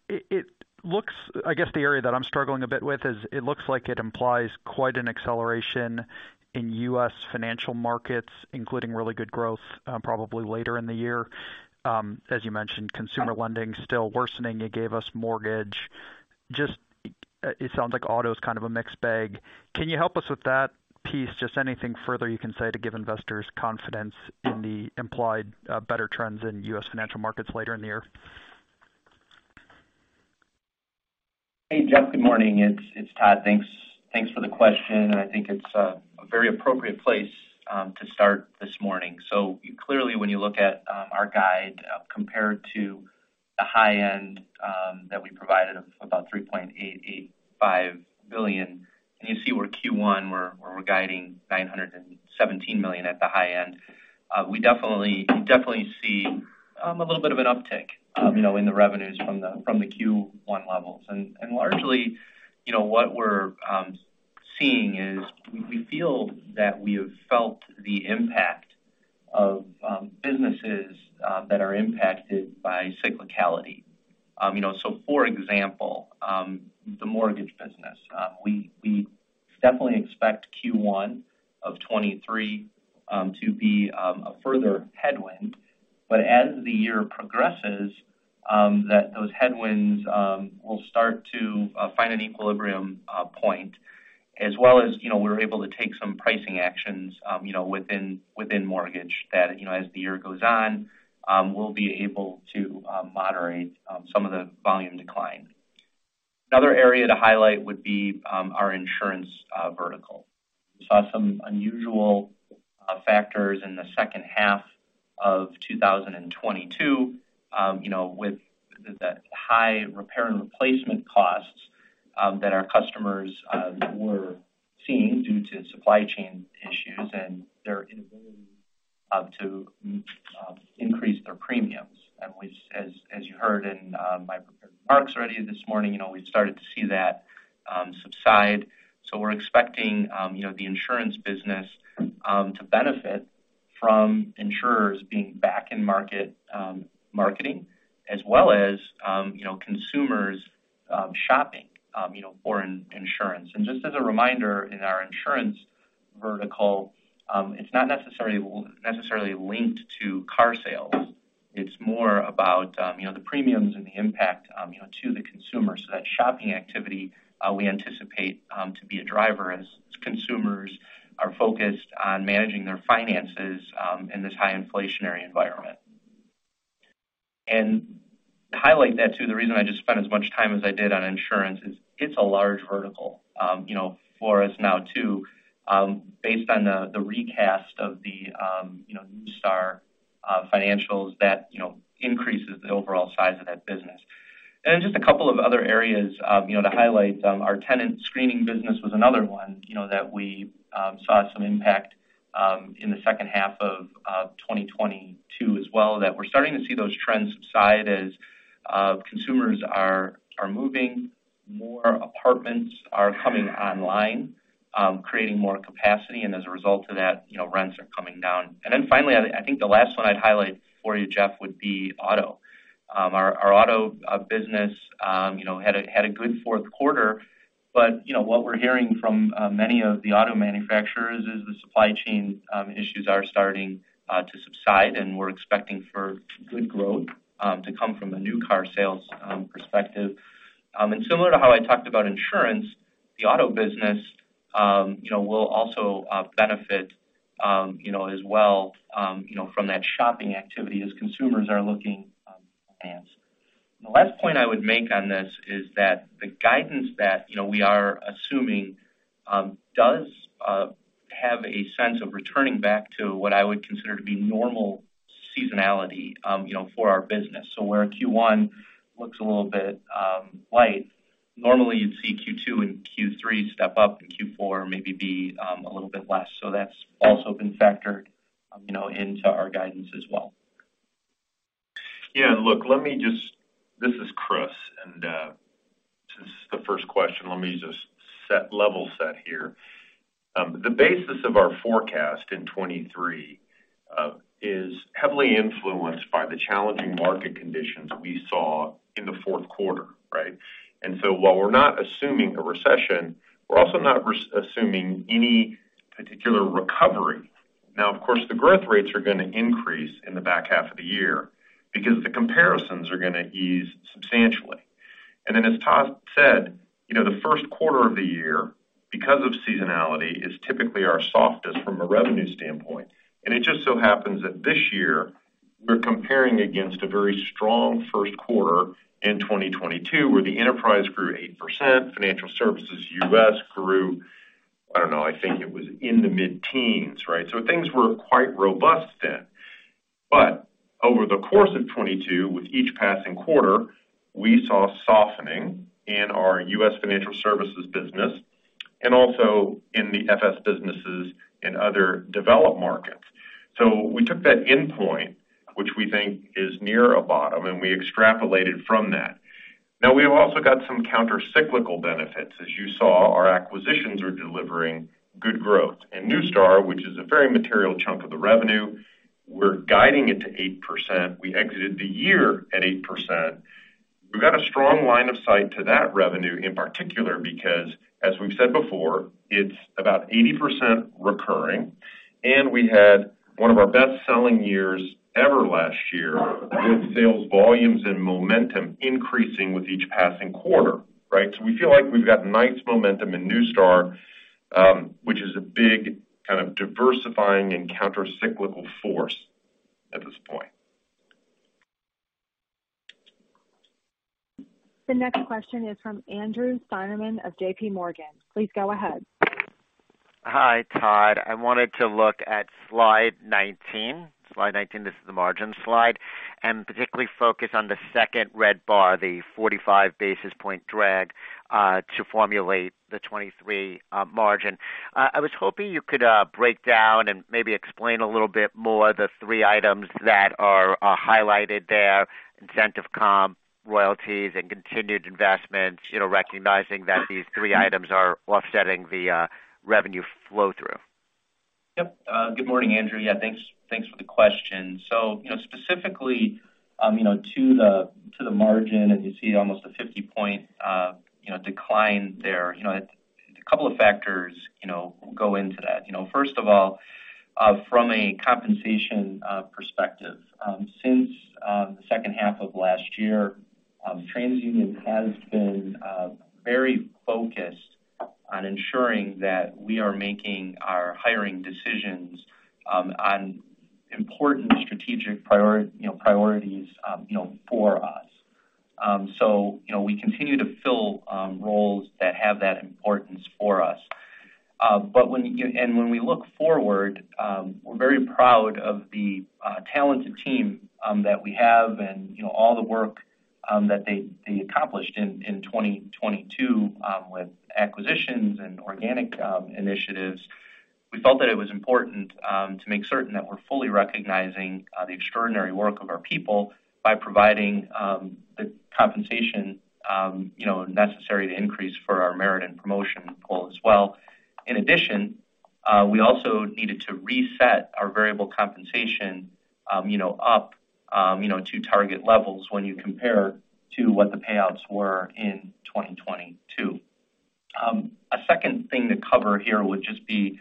It looks I guess the area that I'm struggling a bit with is it looks like it implies quite an acceleration in U.S. financial markets, including really good growth, probably later in the year. As you mentioned, consumer lending still worsening. You gave us mortgage. Just it sounds like auto is kind of a mixed bag. Can you help us with that piece? Just anything further you can say to give investors confidence in the implied, better trends in U.S. financial markets later in the year. Hey, Jeff, good morning. It's Todd. Thanks for the question, I think it's a very appropriate place to start this morning. Clearly, when you look at our guide compared to the high end. That we provided of about $3.885 billion. You see where Q1, we're guiding $917 million at the high end. We definitely see a little bit of an uptick, you know, in the revenues from the Q1 levels. Largely, you know, what we're seeing is we feel that we have felt the impact of businesses that are impacted by cyclicality. You know, so for example, the mortgage business, we definitely expect Q1 of 2023 to be a further headwind. As the year progresses, those headwinds will start to find an equilibrium point. As well as, you know, we're able to take some pricing actions, you know, within mortgage that, you know, as the year goes on, we'll be able to moderate some of the volume decline. Another area to highlight would be our insurance vertical. We saw some unusual factors in the second half of 2022, you know, with the high repair and replacement costs, that our customers were seeing due to supply chain issues and their inability to increase their premiums. As you heard in my prepared remarks already this morning, you know, we've started to see that subside. We're expecting, you know, the insurance business to benefit from insurers being back in market, marketing. As well as, you know, consumers, shopping, you know, for insurance. Just as a reminder, in our insurance vertical, it's not necessarily linked to car sales. It's more about, you know, the premiums and the impact, you know, to the consumer. That shopping activity, we anticipate to be a driver as consumers are focused on managing their finances in this high inflationary environment. To highlight that too, the reason I just spent as much time as I did on insurance is it's a large vertical, you know, for us now too, based on the recast of the, you know, Neustar financials that, you know, increases the overall size of that business. Just a couple of other areas, you know, to highlight, our tenant screening business was another one, you know, that we saw some impact in the second half of 2022 as well, that we're starting to see those trends subside as consumers are moving, more apartments are coming online, creating more capacity. As a result of that, you know, rents are coming down. Finally, I think the last one I'd highlight for you, Jeff, would be auto. Our, our auto business, you know, had a good fourth quarter. What we're hearing from many of the auto manufacturers is the supply chain issues are starting to subside, and we're expecting for good growth to come from a new car sales perspective. Similar to how I talked about insurance, the auto business, you know, will also benefit, you know, as well, you know, from that shopping activity as consumers are looking to advance. The last point I would make on this is that the guidance that, you know, we are assuming, does have a sense of returning back to what I would consider to be normal seasonality, you know, for our business. Where Q1 looks a little bit light, normally you'd see Q2 and Q3 step up, and Q4 maybe be a little bit less. That's also been factored, you know, into our guidance as well. Yeah. Look, let me just. This is Chris. Since this is the first question, let me just level set here. The basis of our forecast in 2023 is heavily influenced by the challenging market conditions we saw in the fourth quarter, right? While we're not assuming a recession, we're also not assuming any particular recovery. Of course, the growth rates are gonna increase in the back half of the year because the comparisons are gonna ease substantially. As Todd said, you know, the first quarter of the year, because of seasonality, is typically our softest from a revenue standpoint. It just so happens that this year we're comparing against a very strong 1st quarter in 2022, where the enterprise grew 8%, financial services U.S. grew, I don't know, I think it was in the mid-teens, right? Things were quite robust then. Over the course of 2022, with each passing quarter, we saw softening in our U.S. financial services business and also in the FS businesses in other developed markets. We took that endpoint, which we think is near a bottom, and we extrapolated from that. Now, we've also got some countercyclical benefits. As you saw, our acquisitions are delivering good growth. Neustar, which is a very material chunk of the revenue, we're guiding it to 8%. We exited the year at 8%. We've got a strong line of sight to that revenue in particular because, as we've said before, it's about 80% recurring, and we had one of our best-selling years ever last year with sales volumes and momentum increasing with each passing quarter, right? We feel like we've got nice momentum in Neustar, which is a big kind of diversifying and countercyclical force at this point. The next question is from Andrew Steinerman of JPMorgan. Please go ahead. Hi, Todd. I wanted to look at slide 19. Slide 19, this is the margin slide, and particularly focus on the second red bar, the 45 basis points drag to formulate the 2023 margin. I was hoping you could break down and maybe explain a little bit more the three items that are highlighted there, incentive comp, royalties, and continued investments, you know, recognizing that these three items are offsetting the revenue flow-through. Yep. Good morning, Andrew. Thanks for the question. Specifically, you know, to the margin, and you see almost a 50 point, you know, decline there. You know, a couple of factors, you know, go into that. You know, first of all, from a compensation perspective, since the second half of last year, TransUnion has been very focused on ensuring that we are making our hiring decisions on important strategic priorities, you know, for us. You know, we continue to fill roles that have that importance for us. When we look forward, we're very proud of the talented team that we have and, you know, all the work that they accomplished in 2022 with acquisitions and organic initiatives. We felt that it was important to make certain that we're fully recognizing the extraordinary work of our people by providing the compensation, you know, necessary to increase for our merit and promotion pool as well. In addition, we also needed to reset our variable compensation, you know, up, you know, to target levels when you compare to what the payouts were in 2022. A second thing to cover here would just be,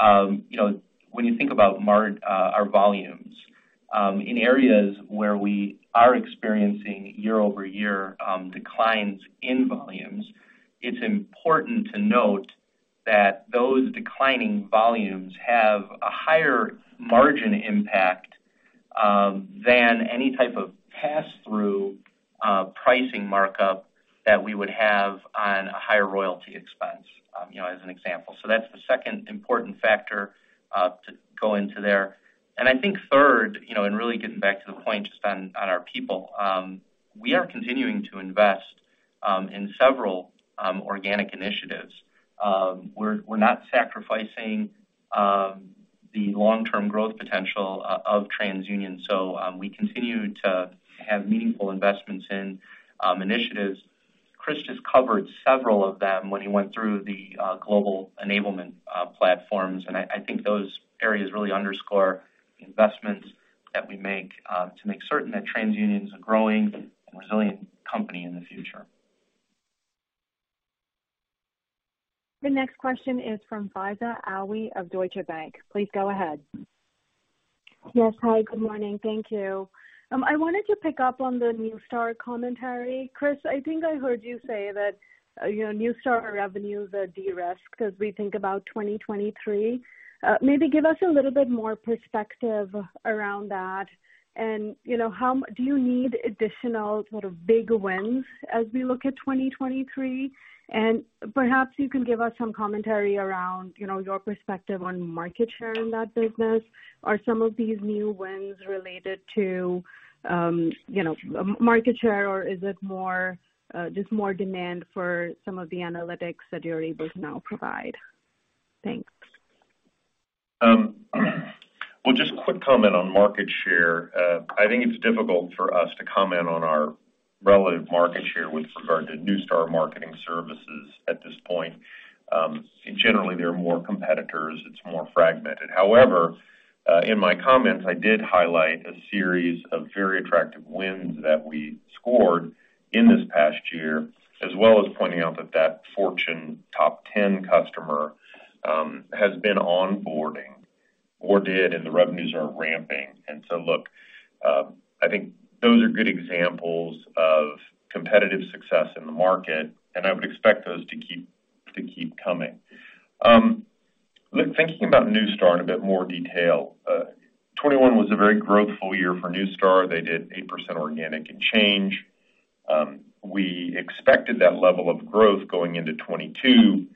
you know, when you think about our volumes, in areas where we are experiencing year-over-year declines in volumes, it's important to note that those declining volumes have a higher margin impact than any type of pass-through pricing markup that we would have on a higher royalty expense, you know, as an example. That's the second important factor to go into there. I think third, you know, in really getting back to the point just on our people, we are continuing to invest in several organic initiatives. We're not sacrificing the long-term growth potential of TransUnion, so we continue to have meaningful investments in initiatives. Chris just covered several of them when he went through the global enablement platforms. I think those areas really underscore the investments that we make to make certain that TransUnion is a growing and resilient company in the future. The next question is from Faiza Alwy of Deutsche Bank. Please go ahead. Yes. Hi, good morning. Thank you. I wanted to pick up on the Neustar commentary. Chris, I think I heard you say that, you know, Neustar revenues are de-risked as we think about 2023. Maybe give us a little bit more perspective around that. How do you need additional sort of big wins as we look at 2023? Perhaps you can give us some commentary around, you know, your perspective on market share in that business. Are some of these new wins related to, you know, market share, or is it more, just more demand for some of the analytics that you're able to now provide? Thanks. Well, just a quick comment on market share. I think it's difficult for us to comment on our relative market share with regard to Neustar marketing services at this point. Generally, there are more competitors, it's more fragmented. However, in my comments, I did highlight a series of very attractive wins that we scored in this past year, as well as pointing out that that Fortune Top 10 customer has been onboarding, or did, and the revenues are ramping. Look, I think those are good examples of competitive success in the market, and I would expect those to keep coming. Look, thinking about Neustar in a bit more detail. 2021 was a very growthful year for Neustar. They did 8% organic and change. We expected that level of growth going into 2022.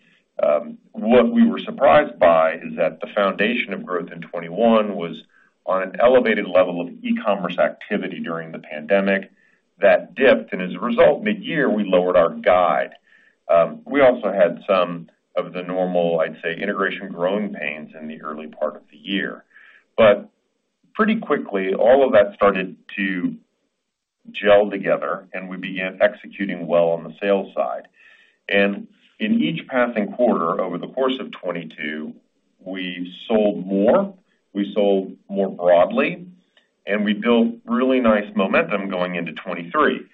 What we were surprised by is that the foundation of growth in 2021 was on an elevated level of e-commerce activity during the pandemic. That dipped, and as a result, midyear, we lowered our guide. We also had some of the normal, I'd say, integration growing pains in the early part of the year. Pretty quickly, all of that started to gel together and we began executing well on the sales side. In each passing quarter over the course of 2022, we sold more, we sold more broadly, and we built really nice momentum going into 2023.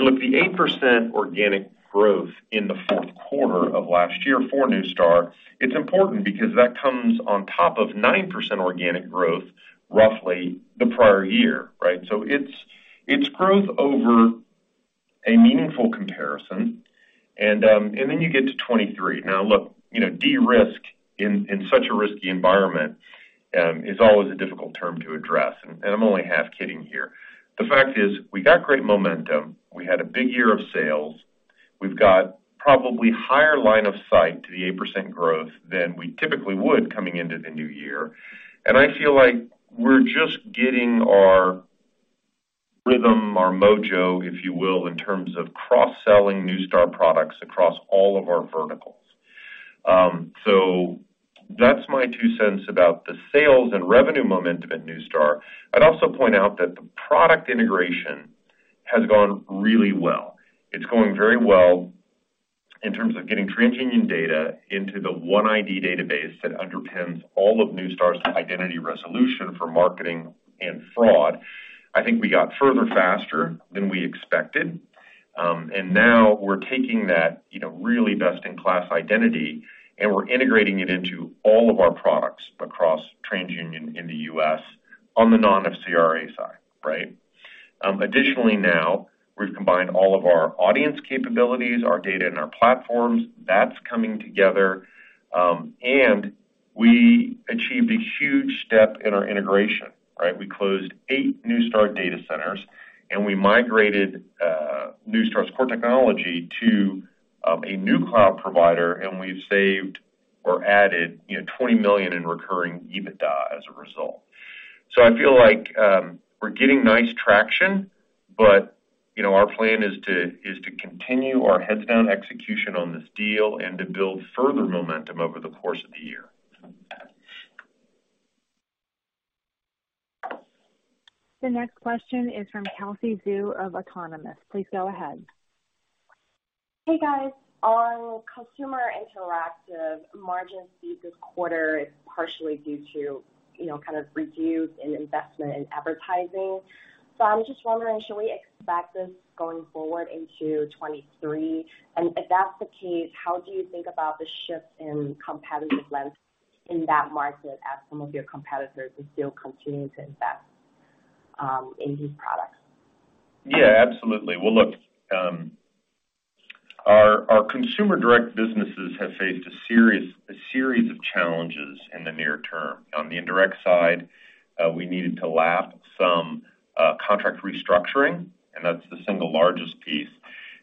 Look, the 8% organic growth in the 4th quarter of last year for Neustar, it's important because that comes on top of 9% organic growth, roughly the prior year, right? It's growth over a meaningful comparison. You get to 2023. You know, de-risking in such a risky environment is always a difficult term to address, and I'm only half kidding here. The fact is, we got great momentum. We had a big year of sales. We've got probably higher line of sight to the 8% growth than we typically would coming into the new year. I feel like we're just getting our rhythm, our mojo, if you will, in terms of cross-selling Neustar products across all of our verticals. That's my two cents about the sales and revenue momentum at Neustar. I'd also point out that the product integration has gone really well. It's going very well in terms of getting TransUnion data into the OneID database that underpins all of Neustar's identity resolution for marketing and fraud. I think we got further faster than we expected. Now we're taking that, you know, really best-in-class identity, and we're integrating it into all of our products across TransUnion in the U.S. on the non-FCRA side, right? Additionally, now, we've combined all of our audience capabilities, our data, and our platforms. That's coming together. And we achieved a huge step in our integration, right? We closed eight Neustar data centers, and we migrated Neustar's core technology to a new cloud provider, and we've saved or added, you know, $20 million in recurring EBITDA as a result. I feel like we're getting nice traction, but, you know, our plan is to continue our heads down execution on this deal and to build further momentum over the course of the year. The next question is from Kelsey Zhu of Autonomous. Please go ahead. Hey, guys. On Consumer Interactive margins due this quarter is partially due to, you know, kind of reduced in investment in advertising. I'm just wondering, should we expect this going forward into 2023? If that's the case, how do you think about the shift in competitive lens in that market as some of your competitors are still continuing to invest in these products? Yeah, absolutely. Well, look, our consumer direct businesses have faced a series of challenges in the near term. On the indirect side, we needed to lap some contract restructuring, that's the single largest piece.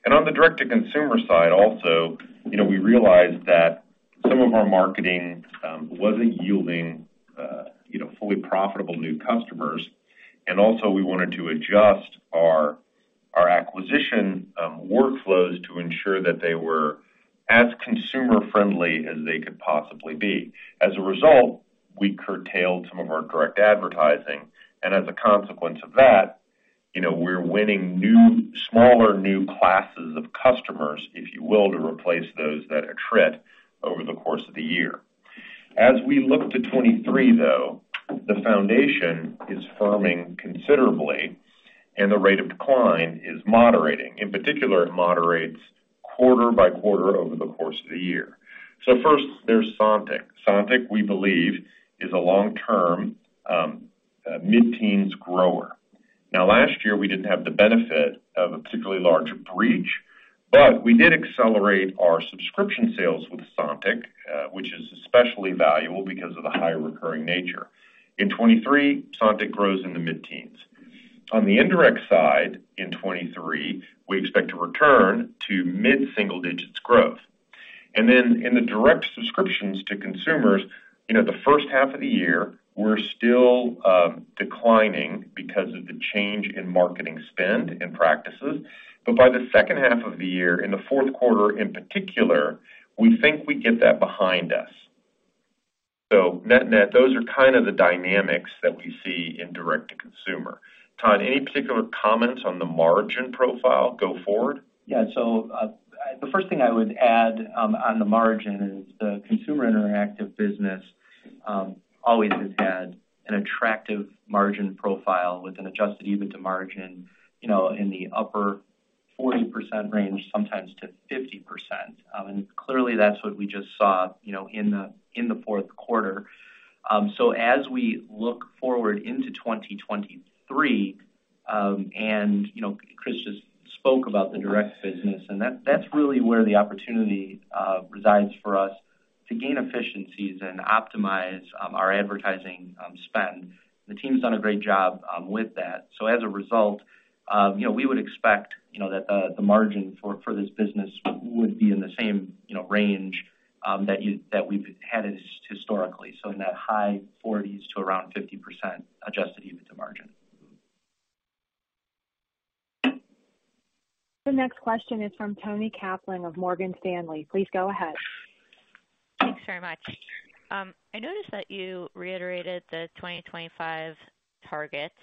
On the direct-to-consumer side also, you know, we realized that some of our marketing wasn't yielding, you know, fully profitable new customers. Also, we wanted to adjust our acquisition workflows to ensure that they were as consumer-friendly as they could possibly be. As a result, we curtailed some of our direct advertising. As a consequence of that, you know, we're winning smaller new classes of customers, if you will, to replace those that attrit over the course of the year. As we look to 2023, though, the foundation is firming considerably, the rate of decline is moderating. In particular, it moderates quarter by quarter over the course of the year. First, there's Sontiq. Sontiq, we believe, is a long-term, mid-teens grower. Now, last year, we didn't have the benefit of a particularly large breach, but we did accelerate our subscription sales with Sontiq, which is especially valuable because of the high recurring nature. In 2023, Sontiq grows in the mid-teens. On the indirect side, in 2023, we expect to return to mid-single digits growth. In the direct subscriptions to consumers, you know, the first half of the year, we're still declining because of the change in marketing spend and practices. By the second half of the year, in the fourth quarter, in particular, we think we get that behind us. Net-net, those are kind of the dynamics that we see in direct to consumer. Todd, any particular comments on the margin profile go forward? The first thing I would add on the margin is the Consumer Interactive business always has had an attractive margin profile with an adjusted EBITDA margin, you know, in the upper 40% range, sometimes to 50%. Clearly, that's what we just saw, you know, in the fourth quarter. As we look forward into 2023, you know, Chris just spoke about the direct business, and that's really where the opportunity resides for us to gain efficiencies and optimize our advertising spend. The team's done a great job with that. As a result, you know, we would expect, you know, that the margin for this business would be in the same, you know, range that we've had it historically.In that high 40s to around 50% adjusted EBITDA margin. The next question is from Toni Kaplan of Morgan Stanley. Please go ahead. Thanks very much. I noticed that you reiterated the 2025 targets,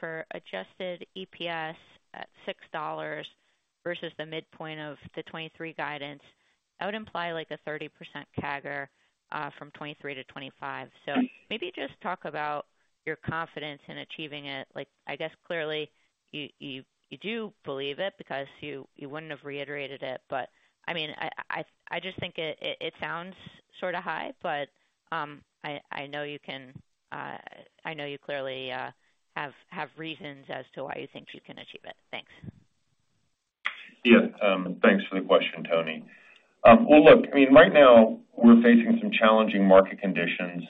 for adjusted EPS at $6 versus the midpoint of the 2023 guidance, that would imply like a 30% CAGR from 2023 to 2025. Maybe just talk about your confidence in achieving it? Like, I guess clearly you do believe it because you wouldn't have reiterated it. I mean, I just think it sounds sorta high, but I know you can. I know you clearly have reasons as to why you think you can achieve it. Thanks. Yeah. Thanks for the question, Toni. Well, look, I mean, right now we're facing some challenging market conditions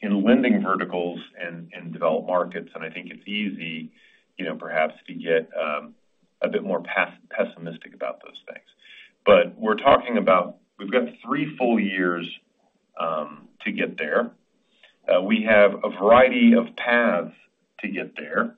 in lending verticals and developed markets, and I think it's easy, you know, perhaps to get a bit more pessimistic about those things. We're talking about we've got three full years to get there. We have a variety of paths to get there.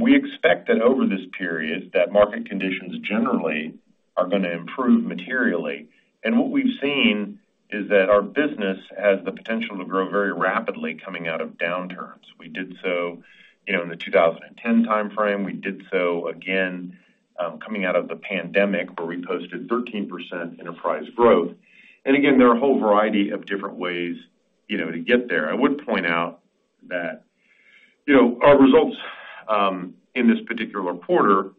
We expect that over this period, that market conditions generally are gonna improve materially. What we've seen is that our business has the potential to grow very rapidly coming out of downturns. We did so, you know, in the 2010 timeframe. We did so again, coming out of the pandemic, where we posted 13% enterprise growth. Again, there are a whole variety of different ways, you know, to get there. I would point out that, you know, our results in this particular quarter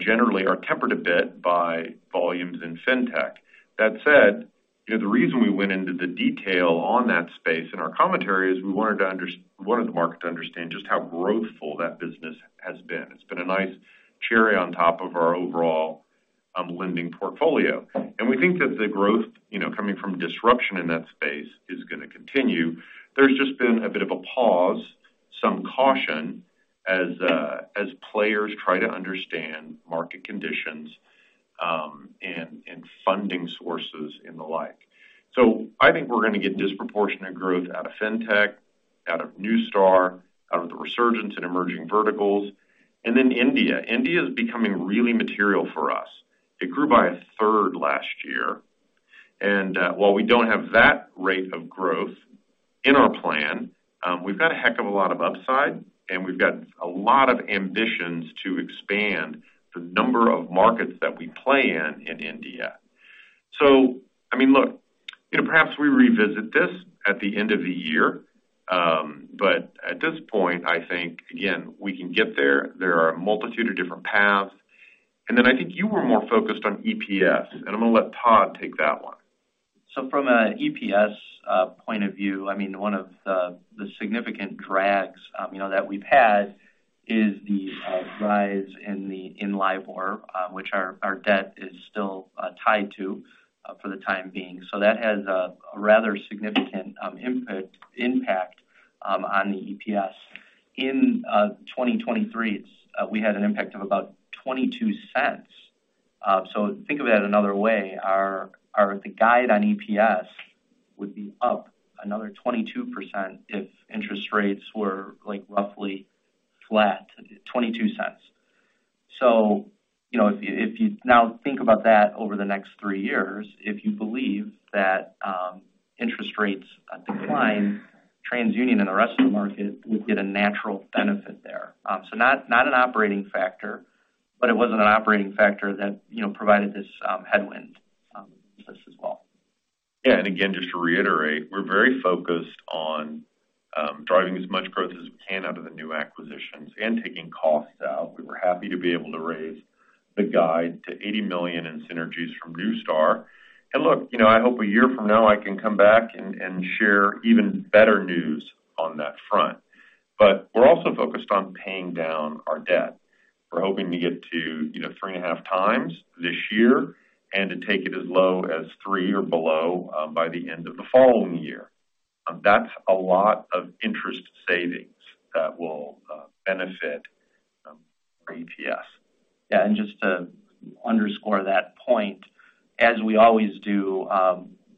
generally are tempered a bit by volumes in fintech. That said, you know, the reason we went into the detail on that space in our commentary is we wanted the market to understand just how growthful that business has been. It's been a nice cherry on top of our overall lending portfolio. We think that the growth, you know, coming from disruption in that space is gonna continue. There's just been a bit of a pause, some caution as players try to understand market conditions and funding sources and the like. I think we're gonna get disproportionate growth out of fintech, out of Neustar, out of the resurgence in emerging verticals. India. India is becoming really material for us. It grew by a third last year. While we don't have that rate of growth in our plan, we've got a heck of a lot of upside, and we've got a lot of ambitions to expand the number of markets that we play in India. I mean, look, you know, perhaps we revisit this at the end of the year. But at this point, I think, again, we can get there. There are a multitude of different paths. Then I think you were more focused on EPS, and I'm gonna let Todd take that one. From an EPS point of view, I mean, one of the significant drags, you know, that we've had is the rise in the LIBOR, which our debt is still tied to for the time being. That has a rather significant impact on the EPS. In 2023, we had an impact of about $0.22. Think of it another way. The guide on EPS would be up another 22% if interest rates were like roughly flat, $0.22. You know, if you, if you now think about that over the next three years, if you believe that interest rates decline, TransUnion and the rest of the market would get a natural benefit there. Not an operating factor, but it wasn't an operating factor that, you know, provided this headwind to this as well. Yeah. Again, just to reiterate, we're very focused on driving as much growth as we can out of the new acquisitions and taking costs out. We were happy to be able to raise the guide to $80 million in synergies from Neustar. Look, you know, I hope a year from now I can come back and share even better news on that front. We're also focused on paying down our debt. We're hoping to get to, you know, 3.5x this year and to take it as low as 3 or below by the end of the following year. That's a lot of interest savings that will benefit our EPS. Yeah. Just to underscore that point, as we always do,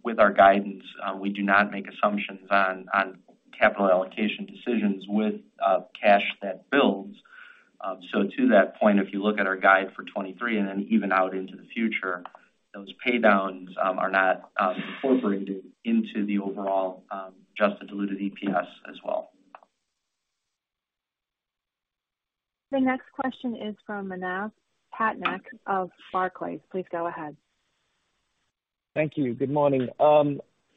with our guidance, we do not make assumptions on capital allocation decisions with cash that builds. So to that point, if you look at our guide for 2023 and then even out into the future, those pay downs are not incorporated into the overall adjusted diluted EPS as well. The next question is from Manav Patnaik of Barclays. Please go ahead. Thank you. Good morning.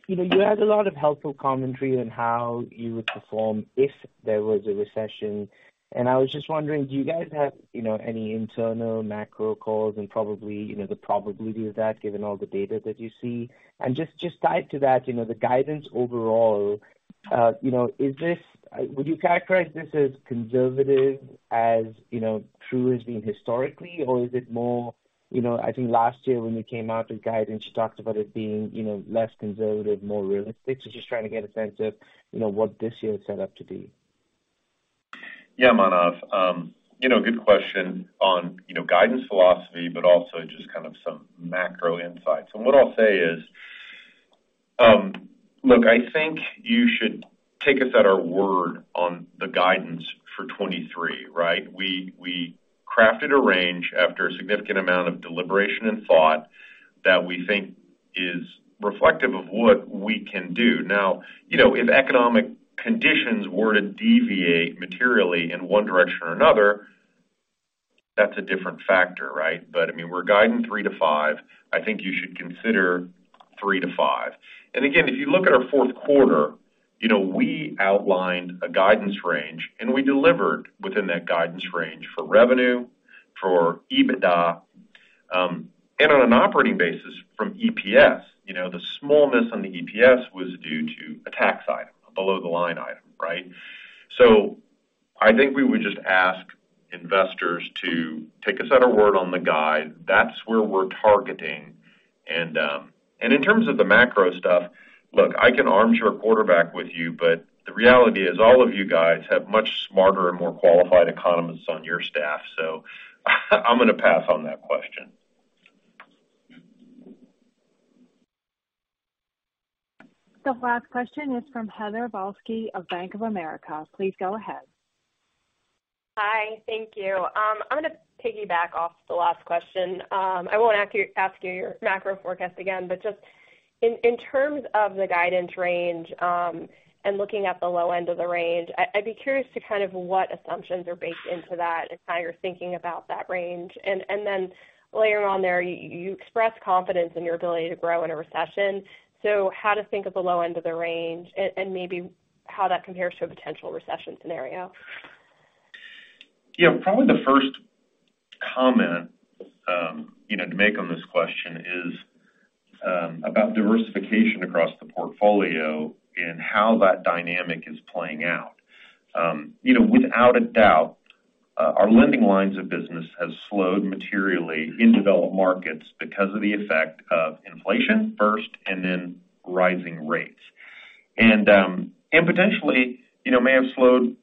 You know, you had a lot of helpful commentary on how you would perform if there was a recession. I was just wondering, do you guys have, you know, any internal macro calls and probably, you know, the probability of that given all the data that you see? Just tied to that, you know, the guidance overall, you know, would you characterize this as conservative as, you know, TU has been historically, or is it more, you know, I think last year when you came out with guidance, you talked about it being, you know, less conservative, more realistic. Just trying to get a sense of, you know, what this year is set up to be? Yeah, Manav. You know, good question on, you know, guidance philosophy, but also just kind of some macro insights. What I'll say is, look, I think you should take us at our word on the guidance for 2023, right? We crafted a range after a significant amount of deliberation and thought that we think is reflective of what we can do. Now, you know, if economic conditions were to deviate materially in one direction or another, that's a different factor, right? I mean, we're guiding 3%-5%. I think you should consider 3%-5%. Again, if you look at our fourth quarter, you know, we outlined a guidance range, and we delivered within that guidance range for revenue, for EBITDA, and on an operating basis from EPS. You know, the small miss on the EPS was due to a tax item, a below-the-line item, right? I think we would just ask investors to take us at our word on the guide. That's where we're targeting. In terms of the macro stuff, look, I can arm your quarterback with you, but the reality is, all of you guys have much smarter and more qualified economists on your staff, so I'm gonna pass on that question. The last question is from Heather Balsky of Bank of America. Please go ahead. Hi. Thank you. I'm gonna piggyback off the last question. I won't ask you your macro forecast again, but just in terms of the guidance range, and looking at the low end of the range, I'd be curious to kind of what assumptions are baked into that and how you're thinking about that range. Then later on there, you express confidence in your ability to grow in a recession. How to think of the low end of the range and maybe how that compares to a potential recession scenario? Yeah, probably the first comment, you know, to make on this question is about diversification across the portfolio and how that dynamic is playing out. You know, without a doubt, our lending lines of business have slowed materially in developed markets because of the effect of inflation first and then rising rates. Potentially, you know, may have slowed,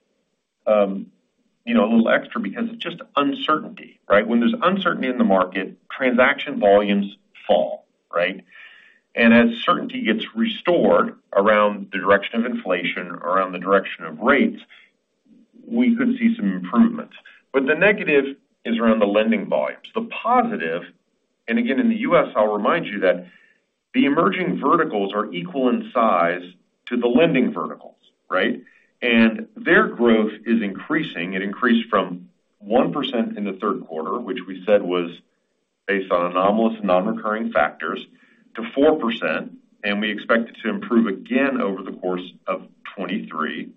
you know, a little extra because it's just uncertainty, right? When there's uncertainty in the market, transaction volumes fall, right? As certainty gets restored around the direction of inflation, around the direction of rates, we could see some improvements. The negative is around the lending volumes. The positive, and again, in the U.S., I'll remind you that the emerging verticals are equal in size to the lending verticals, right? Their growth is increasing. It increased from 1% in the third quarter, which we said was based on anomalous non-recurring factors, to 4%. We expect it to improve again over the course of 2023.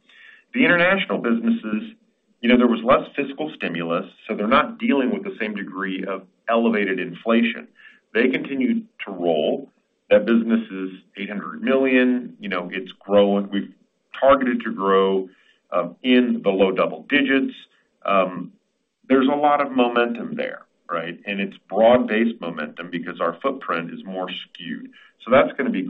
The international businesses, you know, there was less fiscal stimulus. They're not dealing with the same degree of elevated inflation. They continued to roll. That business is $800 million. You know, it's growing. We've targeted to grow in the low double digits. There's a lot of momentum there, right? It's broad-based momentum because our footprint is more skewed. That's gonna be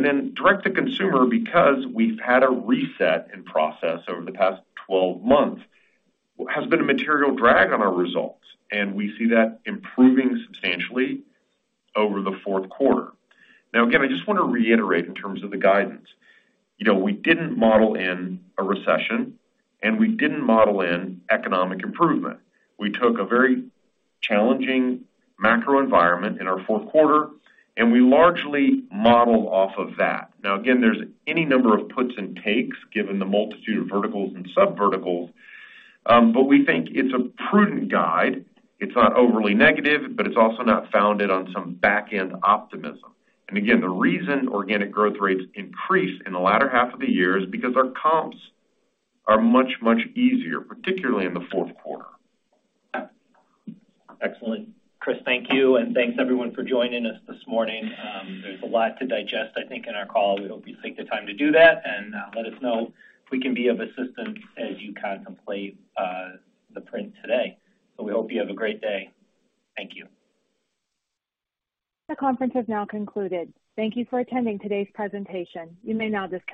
growthful. Direct-to-consumer, because we've had a reset in process over the past 12 months, has been a material drag on our results, and we see that improving substantially over the fourth quarter. Again, I just wanna reiterate in terms of the guidance. You know, we didn't model in a recession. We didn't model in economic improvement. We took a very challenging macro environment in our fourth quarter, and we largely modeled off of that. Again, there's any number of puts and takes given the multitude of verticals and sub-verticals, but we think it's a prudent guide. It's not overly negative, but it's also not founded on some back-end optimism. Again, the reason organic growth rates increase in the latter half of the year is because our comps are much, much easier, particularly in the fourth quarter. Excellent. Chris, thank you, and thanks everyone for joining us this morning. There's a lot to digest, I think, in our call. We hope you take the time to do that and, let us know if we can be of assistance as you contemplate, the print today. We hope you have a great day. Thank you. The conference has now concluded. Thank you for attending today's presentation. You may now disconnect.